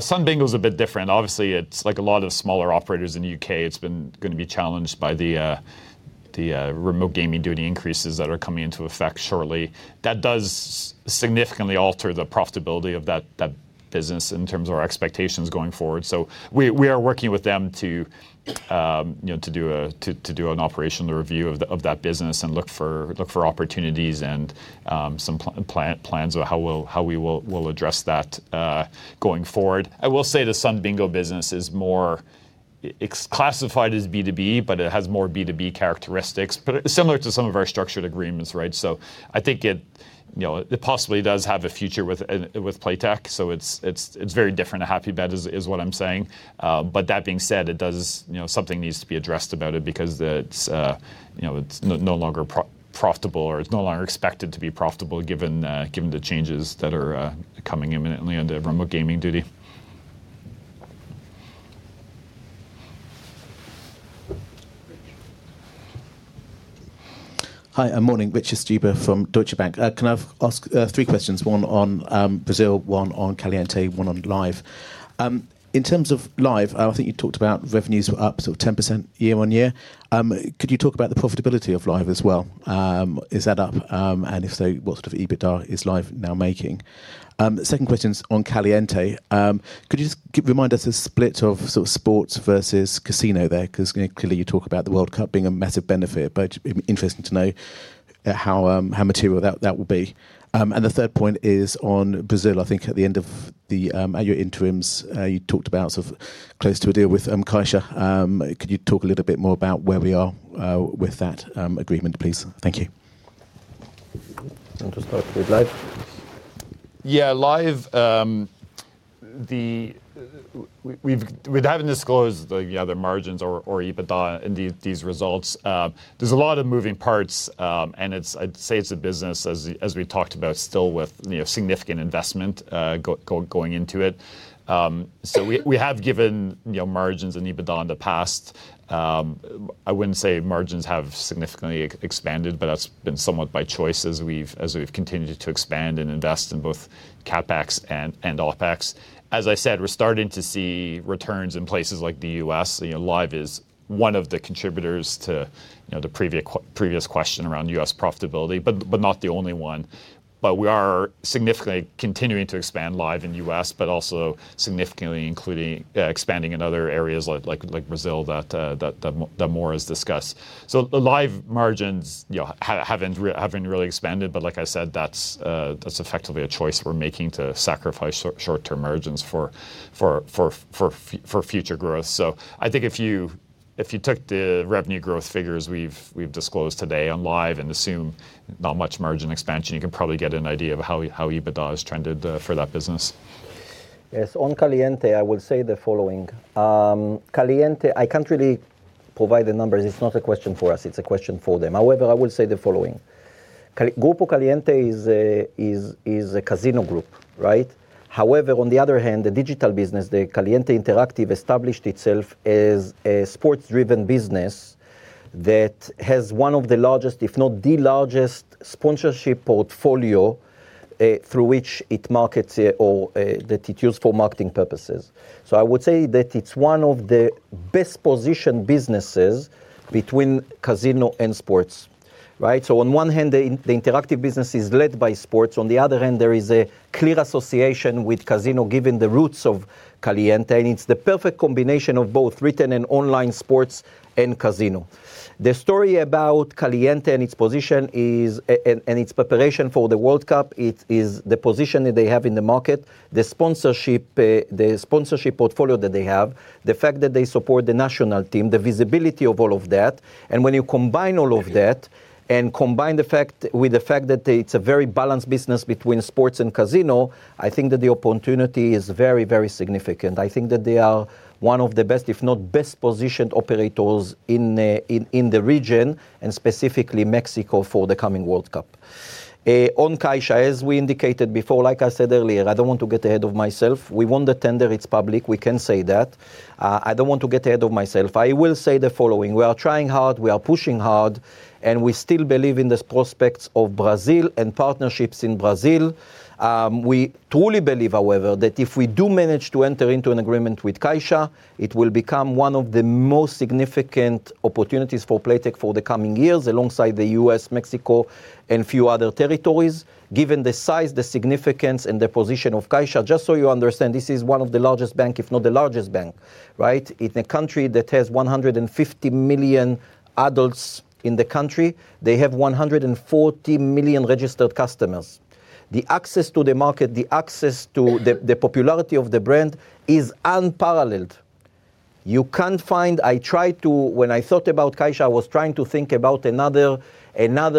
Sun Bingo's a bit different. Obviously it's like a lot of smaller operators in the U.K., it's been gonna be challenged by the Remote Gaming Duty increases that are coming into effect shortly. That does significantly alter the profitability of that business in terms of our expectations going forward. We are working with them to you know to do an operational review of that business and look for opportunities and some plans on how we will address that going forward. I will say the Sun Bingo business is more it's classified as B2B, but it has more B2B characteristics. Similar to some of our structured agreements, right? I think it, you know, it possibly does have a future with Playtech, so it's very different to Happybet is what I'm saying. That being said, it does, you know, something needs to be addressed about it because it's, you know, it's no longer profitable or it's no longer expected to be profitable given the changes that are coming imminently under Remote Gaming Duty. Hi, morning. Richard Stuber from Deutsche Bank. Can I ask three questions, one on Brazil, one on Caliente, one on Live. In terms of Live, I think you talked about revenues were up sort of 10% year-on-year. Could you talk about the profitability of Live as well? Is that up? And if so, what sort of EBITDA is Live now making? Second question's on Caliente. Could you just remind us the split of sort of sports versus casino there? 'Cause clearly you talk about the World Cup being a massive benefit, but it'd be interesting to know how material that will be. And the third point is on Brazil. I think at the end of your interims, you talked about sort of close to a deal with Caixa. Could you talk a little bit more about where we are with that agreement, please? Thank you. Want to start with Live? Yeah. Live, we haven't disclosed, you know, the margins or EBITDA in these results. There's a lot of moving parts, and it's, I'd say it's a business as we talked about still with, you know, significant investment going into it. We have given, you know, margins and EBITDA in the past. I wouldn't say margins have significantly expanded, but that's been somewhat by choice as we've continued to expand and invest in both CapEx and OpEx. As I said, we're starting to see returns in places like the U.S. You know, Live is one of the contributors to, you know, the previous question around U.S. profitability, but not the only one. We are significantly continuing to expand Live in the U.S., but also significantly expanding in other areas like Brazil that Mor has discussed. The Live margins, you know, haven't really expanded, but like I said, that's effectively a choice we're making to sacrifice short-term margins for future growth. I think if you took the revenue growth figures we've disclosed today on Live and assume not much margin expansion, you can probably get an idea of how EBITDA has trended for that business. Yes. On Caliente, I will say the following. Caliente, I can't really provide the numbers. It's not a question for us, it's a question for them. However, I will say the following. Grupo Caliente is a casino group, right? However, on the other hand, the digital business, the Caliente Interactive established itself as a sports-driven business that has one of the largest, if not the largest sponsorship portfolio, through which it markets it or that it uses for marketing purposes. I would say that it's one of the best-positioned businesses between casino and sports, right? On one hand the interactive business is led by sports. On the other hand, there is a clear association with casino, given the roots of Caliente, and it's the perfect combination of both retail and online sports and casino. The story about Caliente and its position is, and its preparation for the World Cup is the position that they have in the market, the sponsorship, the sponsorship portfolio that they have, the fact that they support the national team, the visibility of all of that. When you combine all of that and combine with the fact that it's a very balanced business between sports and casino, I think that the opportunity is very, very significant. I think that they are one of the best, if not best positioned operators in the region and specifically Mexico for the coming World Cup. On Caixa, as we indicated before, like I said earlier, I don't want to get ahead of myself. We won the tender. It's public. We can say that. I don't want to get ahead of myself. I will say the following. We are trying hard, we are pushing hard, and we still believe in the prospects of Brazil and partnerships in Brazil. We truly believe, however, that if we do manage to enter into an agreement with Caixa, it will become one of the most significant opportunities for Playtech for the coming years alongside the U.S., Mexico and few other territories. Given the size, the significance and the position of Caixa, just so you understand, this is one of the largest bank, if not the largest bank, right? In a country that has 150 million adults in the country, they have 140 million registered customers. The access to the market, the popularity of the brand is unparalleled. You can't find. When I thought about Caixa, I was trying to think about another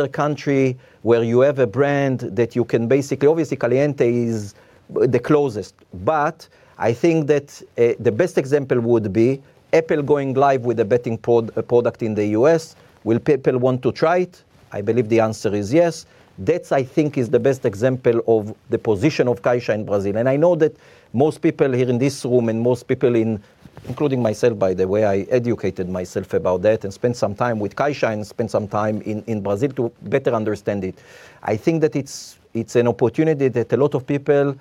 country where you have a brand that you can basically. Obviously, Caliente is the closest, but I think that the best example would be Apple going live with a betting product in the U.S. Will people want to try it? I believe the answer is yes. That, I think, is the best example of the position of Caixa in Brazil. I know that most people here in this room and most people, including myself, by the way, educated myself about that and spent some time with Caixa and spent some time in Brazil to better understand it. I think that it's an opportunity that a lot of people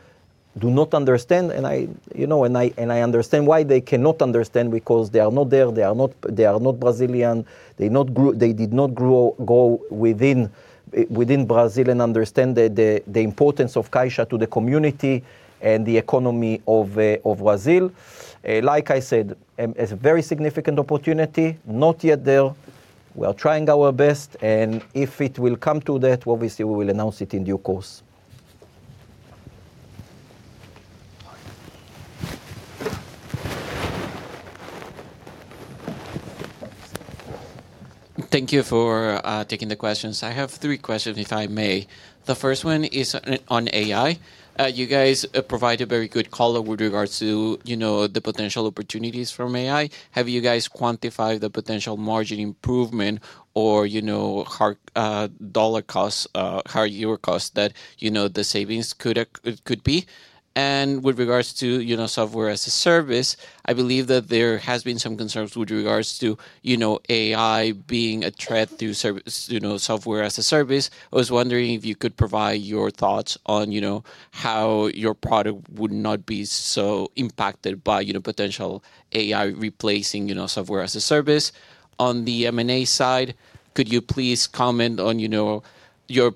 do not understand. I, you know, I understand why they cannot understand because they are not there. They are not Brazilian. They did not grow up within Brazil and understand the importance of Caixa to the community and the economy of Brazil. Like I said, it's a very significant opportunity. Not yet there. We are trying our best. If it will come to that, obviously we will announce it in due course. Thank you for taking the questions. I have three questions, if I may. The first one is on AI. You guys provide a very good color with regards to, you know, the potential opportunities from AI. Have you guys quantified the potential margin improvement or, you know, hard dollar costs, higher year costs that, you know, the savings could be? With regards to, you know, software as a service, I believe that there has been some concerns with regards to, you know, AI being a threat to service, you know, software as a service. I was wondering if you could provide your thoughts on, you know, how your product would not be so impacted by, you know, potential AI replacing, you know, software as a service. On the M&A side, could you please comment on, you know, your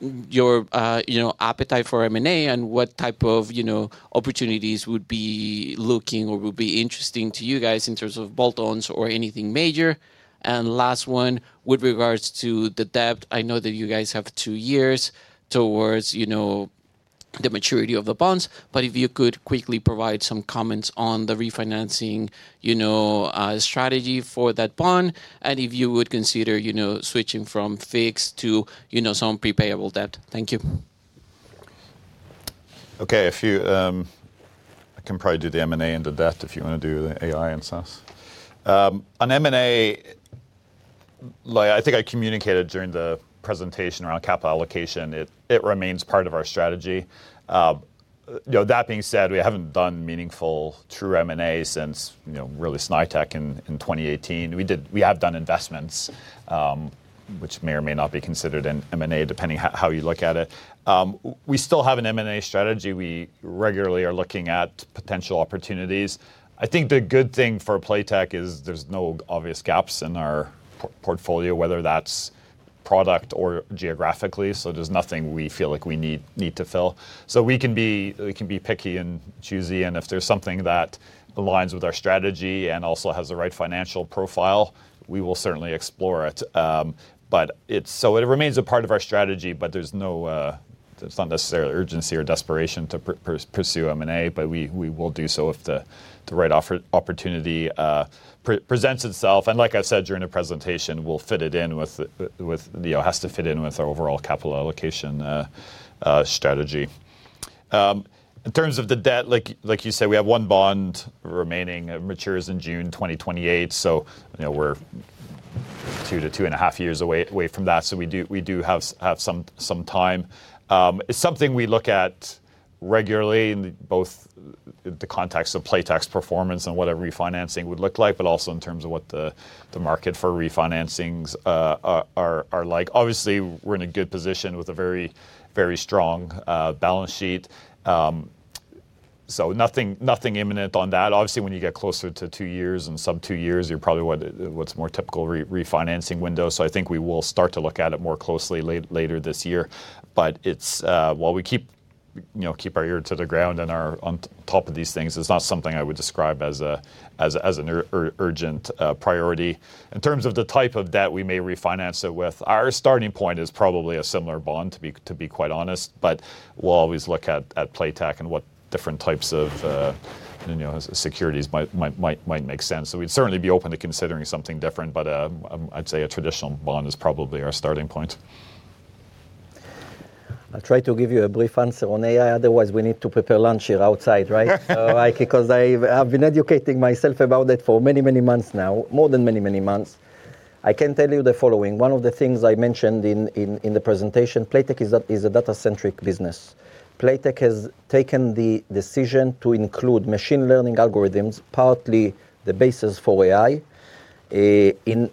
you know, appetite for M&A and what type of, you know, opportunities would be looking or would be interesting to you guys in terms of add-ons or anything major? Last one, with regards to the debt, I know that you guys have two years towards, you know, the maturity of the bonds, but if you could quickly provide some comments on the refinancing, you know, strategy for that bond, and if you would consider, you know, switching from fixed to, you know, some pre-payable debt. Thank you. Okay. If you, I can probably do the M&A and the debt if you wanna do the AI and SaaS. On M&A, like I think I communicated during the presentation around capital allocation, it remains part of our strategy. You know, that being said, we haven't done meaningful true M&A since, you know, really Snaitech in 2018. We have done investments, which may or may not be considered an M&A, depending how you look at it. We still have an M&A strategy. We regularly are looking at potential opportunities. I think the good thing for Playtech is there's no obvious gaps in our portfolio, whether that's product or geographically. So there's nothing we feel like we need to fill. We can be picky and choosy, and if there's something that aligns with our strategy and also has the right financial profile, we will certainly explore it. It remains a part of our strategy, but it's not necessarily urgency or desperation to pursue M&A, but we will do so if the right opportunity presents itself. Like I said during the presentation, we'll fit it in with. You know, it has to fit in with our overall capital allocation strategy. In terms of the debt, like you say, we have one bond remaining. It matures in June 2028, you know, we're 2-2.5 years away from that. We do have some time. It's something we look at regularly in both the context of Playtech's performance and what a refinancing would look like, but also in terms of what the market for refinancings are like. Obviously we're in a good position with a very strong balance sheet. Nothing imminent on that. Obviously, when you get closer to two years and sub two years, you're probably what's more typical refinancing window. I think we will start to look at it more closely later this year. It's while we keep, you know, our ear to the ground and are on top of these things, it's not something I would describe as an urgent priority. In terms of the type of debt we may refinance it with, our starting point is probably a similar bond, to be quite honest. We'll always look at Playtech and what different types of, you know, securities might make sense. We'd certainly be open to considering something different, but I'd say a traditional bond is probably our starting point. I'll try to give you a brief answer on AI, otherwise we need to prepare lunch here outside, right? 'Cause I've been educating myself about it for many months now, more than many months. I can tell you the following. One of the things I mentioned in the presentation, Playtech is a data-centric business. Playtech has taken the decision to include machine learning algorithms, partly the basis for AI, in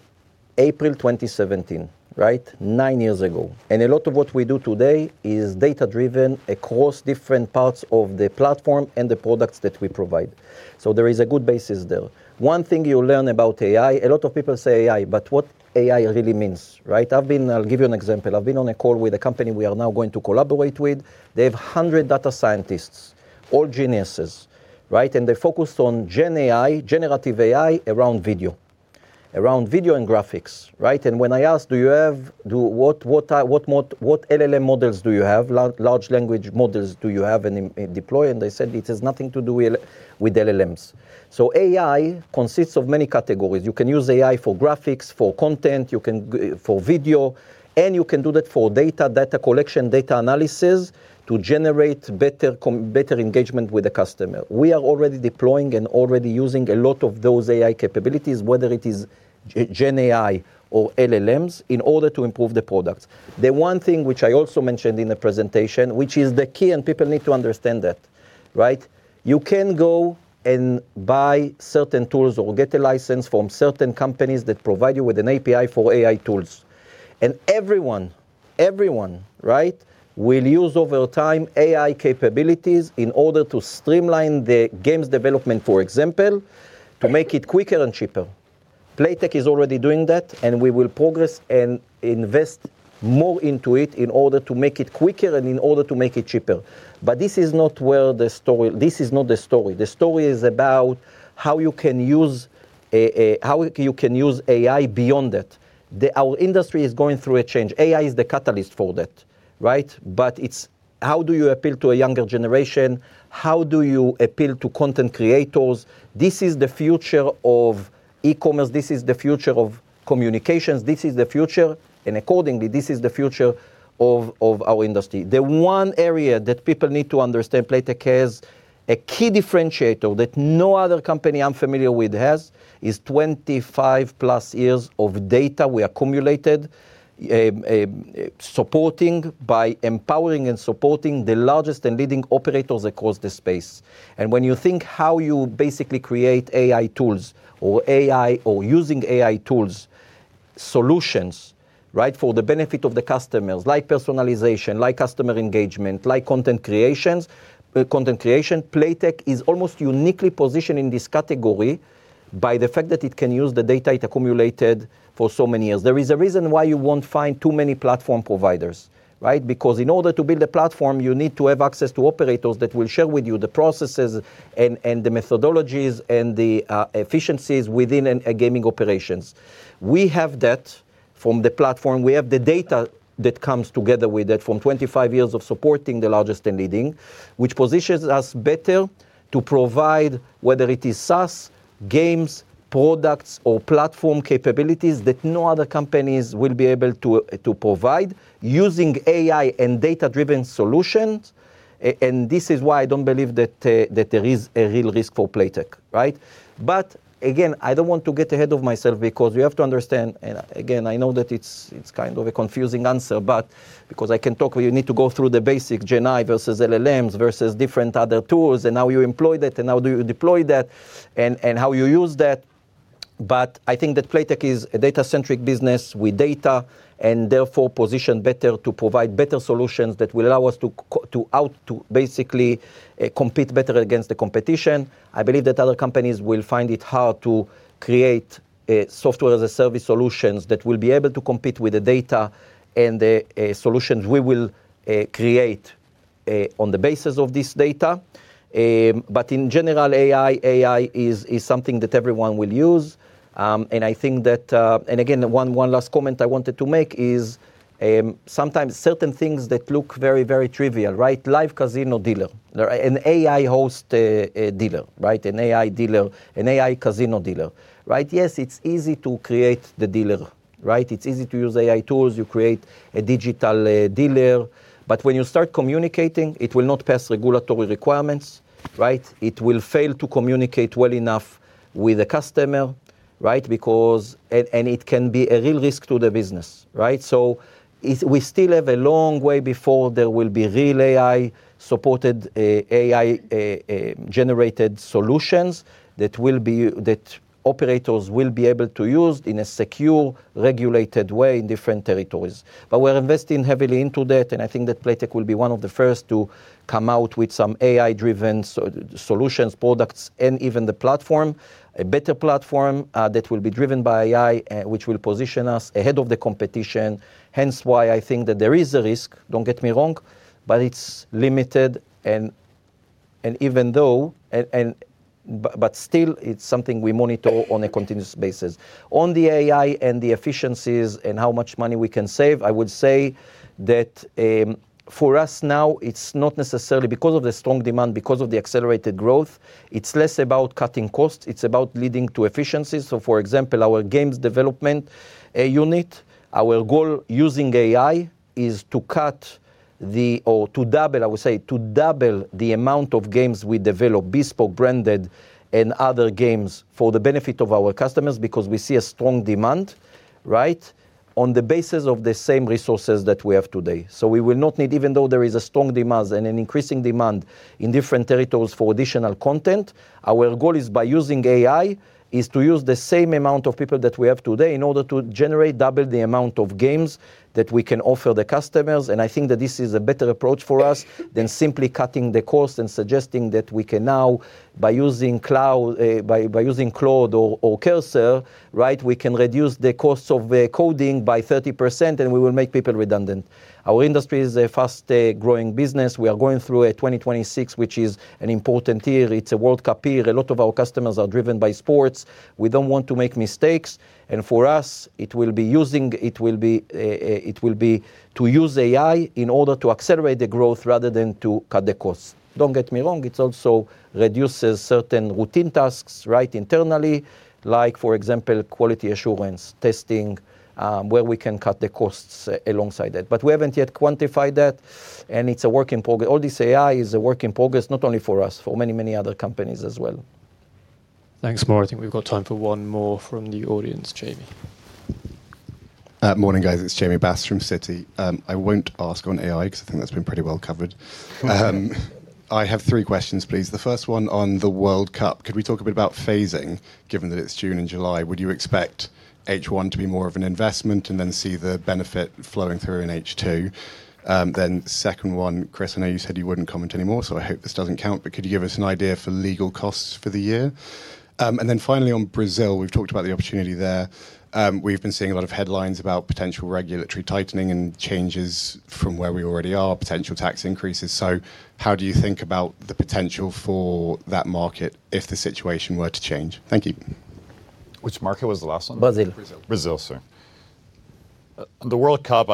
April 2017, right? Nine years ago. A lot of what we do today is data-driven across different parts of the platform and the products that we provide. There is a good basis there. One thing you'll learn about AI, a lot of people say AI, but what AI really means, right? I'll give you an example. I've been on a call with a company we are now going to collaborate with. They have 100 data scientists, all geniuses, right? They're focused on GenAI, generative AI around video. Around video and graphics, right? When I ask, "What LLM models do you have? Large language models do you have and deploy?" They said, "It has nothing to do with LLMs." AI consists of many categories. You can use AI for graphics, for content, for video, and you can do that for data collection, data analysis to generate better engagement with the customer. We are already deploying and already using a lot of those AI capabilities, whether it is GenAI or LLMs, in order to improve the product. The one thing which I also mentioned in the presentation, which is the key and people need to understand that, right? You can go and buy certain tools or get a license from certain companies that provide you with an API for AI tools. Everyone, right, will use over time AI capabilities in order to streamline the games development, for example, to make it quicker and cheaper. Playtech is already doing that, and we will progress and invest more into it in order to make it quicker and in order to make it cheaper. This is not where the story. This is not the story. The story is about how you can use AI beyond that. Our industry is going through a change. AI is the catalyst for that, right? It's how do you appeal to a younger generation? How do you appeal to content creators? This is the future of e-commerce. This is the future of communications. This is the future, and accordingly, this is the future of our industry. The one area that people need to understand, Playtech has a key differentiator that no other company I'm familiar with has, is 25+ years of data we accumulated, supporting by empowering and supporting the largest and leading operators across the space. When you think how you basically create AI tools or AI or using AI tools solutions, right, for the benefit of the customers, like personalization, like customer engagement, like content creations, content creation, Playtech is almost uniquely positioned in this category by the fact that it can use the data it accumulated for so many years. There is a reason why you won't find too many platform providers, right? Because in order to build a platform, you need to have access to operators that will share with you the processes and the methodologies and the efficiencies within a gaming operations. We have that from the platform. We have the data that comes together with that from 25 years of supporting the largest and leading, which positions us better to provide, whether it is SaaS, games, products, or platform capabilities that no other companies will be able to provide using AI and data-driven solutions. And this is why I don't believe that there is a real risk for Playtech, right? Again, I don't want to get ahead of myself because we have to understand, and again, I know that it's kind of a confusing answer, but because I can talk, but you need to go through the basic GenAI versus LLMs versus different other tools and how you employ that and how do you deploy that and how you use that. I think that Playtech is a data-centric business with data and therefore positioned better to provide better solutions that will allow us to basically compete better against the competition. I believe that other companies will find it hard to create software-as-a-service solutions that will be able to compete with the data and the solutions we will create on the basis of this data. In general, AI is something that everyone will use. I think that. Again, one last comment I wanted to make is, sometimes certain things that look very trivial, right? Live casino dealer or an AI host, a dealer, right? An AI dealer. An AI casino dealer, right? Yes, it's easy to create the dealer, right? It's easy to use AI tools. You create a digital dealer. But when you start communicating, it will not pass regulatory requirements, right? It will fail to communicate well enough with the customer, right? Because it can be a real risk to the business, right? We still have a long way before there will be real AI-supported AI-generated solutions that operators will be able to use in a secure, regulated way in different territories. We're investing heavily into that, and I think that Playtech will be one of the first to come out with some AI-driven solutions, products and even the platform. A better platform that will be driven by AI, which will position us ahead of the competition. Hence why I think that there is a risk, don't get me wrong, but it's limited, but still, it's something we monitor on a continuous basis. On the AI and the efficiencies and how much money we can save, I would say that for us now, it's not necessarily because of the strong demand, because of the accelerated growth. It's less about cutting costs, it's about leading to efficiencies. For example, our games development unit, our goal using AI is to cut the. To double, I would say, the amount of games we develop, bespoke branded and other games, for the benefit of our customers because we see a strong demand, right, on the basis of the same resources that we have today. We will not need, even though there is a strong demand and an increasing demand in different territories for additional content, our goal is, by using AI, to use the same amount of people that we have today in order to generate double the amount of games that we can offer the customers. I think that this is a better approach for us than simply cutting the cost and suggesting that we can now, by using Claude or Cursor, right, we can reduce the costs of coding by 30% and we will make people redundant. Our industry is a fast growing business. We are going through 2026, which is an important year. It's a World Cup year. A lot of our customers are driven by sports. We don't want to make mistakes. For us, it will be to use AI in order to accelerate the growth rather than to cut the costs. Don't get me wrong, it also reduces certain routine tasks, right, internally. Like for example, quality assurance testing, where we can cut the costs alongside that. But we haven't yet quantified that, and it's a work in progress. All this AI is a work in progress, not only for us, for many, many other companies as well. Thanks, Mor. I think we've got time for one more from the audience. Jamie. Morning, guys. It's Jamie Bass from Citi. I won't ask on AI 'cause I think that's been pretty well covered. I have three questions, please. The first one on the World Cup. Could we talk a bit about phasing, given that it's June and July? Would you expect H1 to be more of an investment and then see the benefit flowing through in H2? Then second one, Chris, I know you said you wouldn't comment anymore, so I hope this doesn't count, but could you give us an idea for legal costs for the year? And then finally on Brazil, we've talked about the opportunity there. We've been seeing a lot of headlines about potential regulatory tightening and changes from where we already are, potential tax increases. How do you think about the potential for that market if the situation were to change? Thank you. Which market was the last one? Brazil. Brazil. Sorry. The World Cup,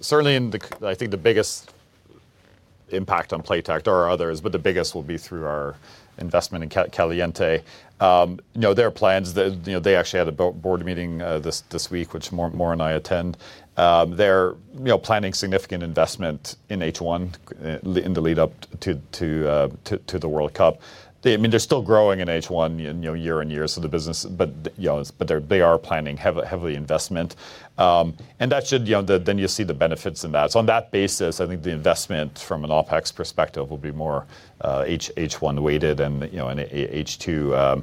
certainly in the I think the biggest impact on Playtech, there are others, but the biggest will be through our investment in Caliente. You know, their plans, they actually had a board meeting this week, which Mor and I attend. They're you know, planning significant investment in H1 in the lead up to the World Cup. They, I mean, they're still growing in H1, you know, year-on-year. The business. You know, they're, they are planning heavy investment. And that should, you know, then you'll see the benefits in that. On that basis, I think the investment from an OpEx perspective will be more H1 weighted and, you know, and H2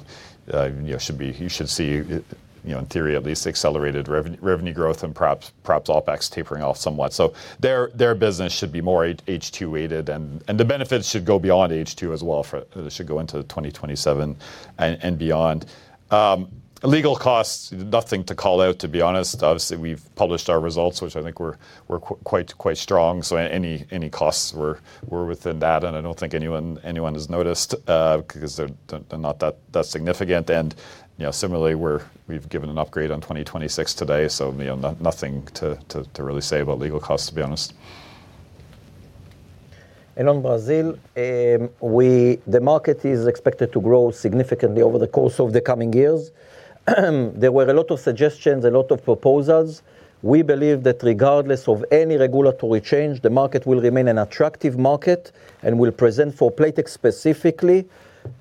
you should see, you know, in theory at least, accelerated revenue growth and perhaps OpEx tapering off somewhat. Their business should be more H2 weighted and the benefits should go beyond H2 as well, for it should go into 2027 and beyond. Legal costs, nothing to call out, to be honest. Obviously, we've published our results, which I think were quite strong, so any costs were within that, and I don't think anyone has noticed, because they're not that significant. You know, similarly, we've given an upgrade on 2026 today, so, you know, nothing to really say about legal costs, to be honest. On Brazil, the market is expected to grow significantly over the course of the coming years. There were a lot of suggestions, a lot of proposals. We believe that regardless of any regulatory change, the market will remain an attractive market and will present for Playtech specifically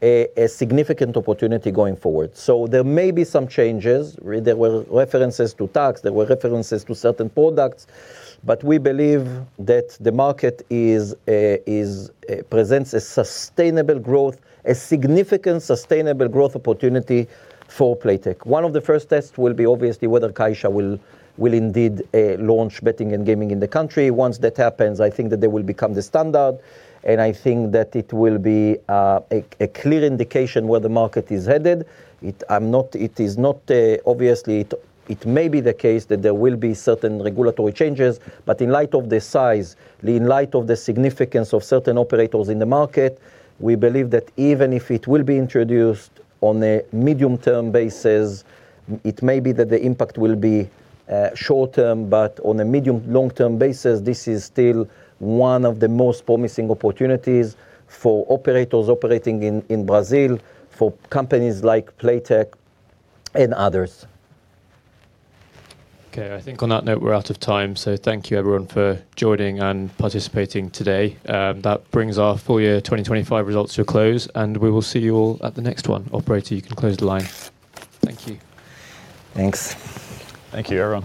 a significant opportunity going forward. There may be some changes. There were references to tax, there were references to certain products. We believe that the market presents a sustainable growth, a significant sustainable growth opportunity for Playtech. One of the first tests will be obviously whether Caixa will indeed launch betting and gaming in the country. Once that happens, I think that they will become the standard, and I think that it will be a clear indication where the market is headed. It may be the case that there will be certain regulatory changes, but in light of the size, in light of the significance of certain operators in the market, we believe that even if it will be introduced on a medium-term basis, it may be that the impact will be short-term, but on a medium long-term basis, this is still one of the most promising opportunities for operators operating in Brazil, for companies like Playtech and others. Okay, I think on that note, we're out of time. Thank you everyone for joining and participating today. That brings our full year 2025 results to a close, and we will see you all at the next one. Operator, you can close the line. Thank you. Thanks. Thank you, everyone.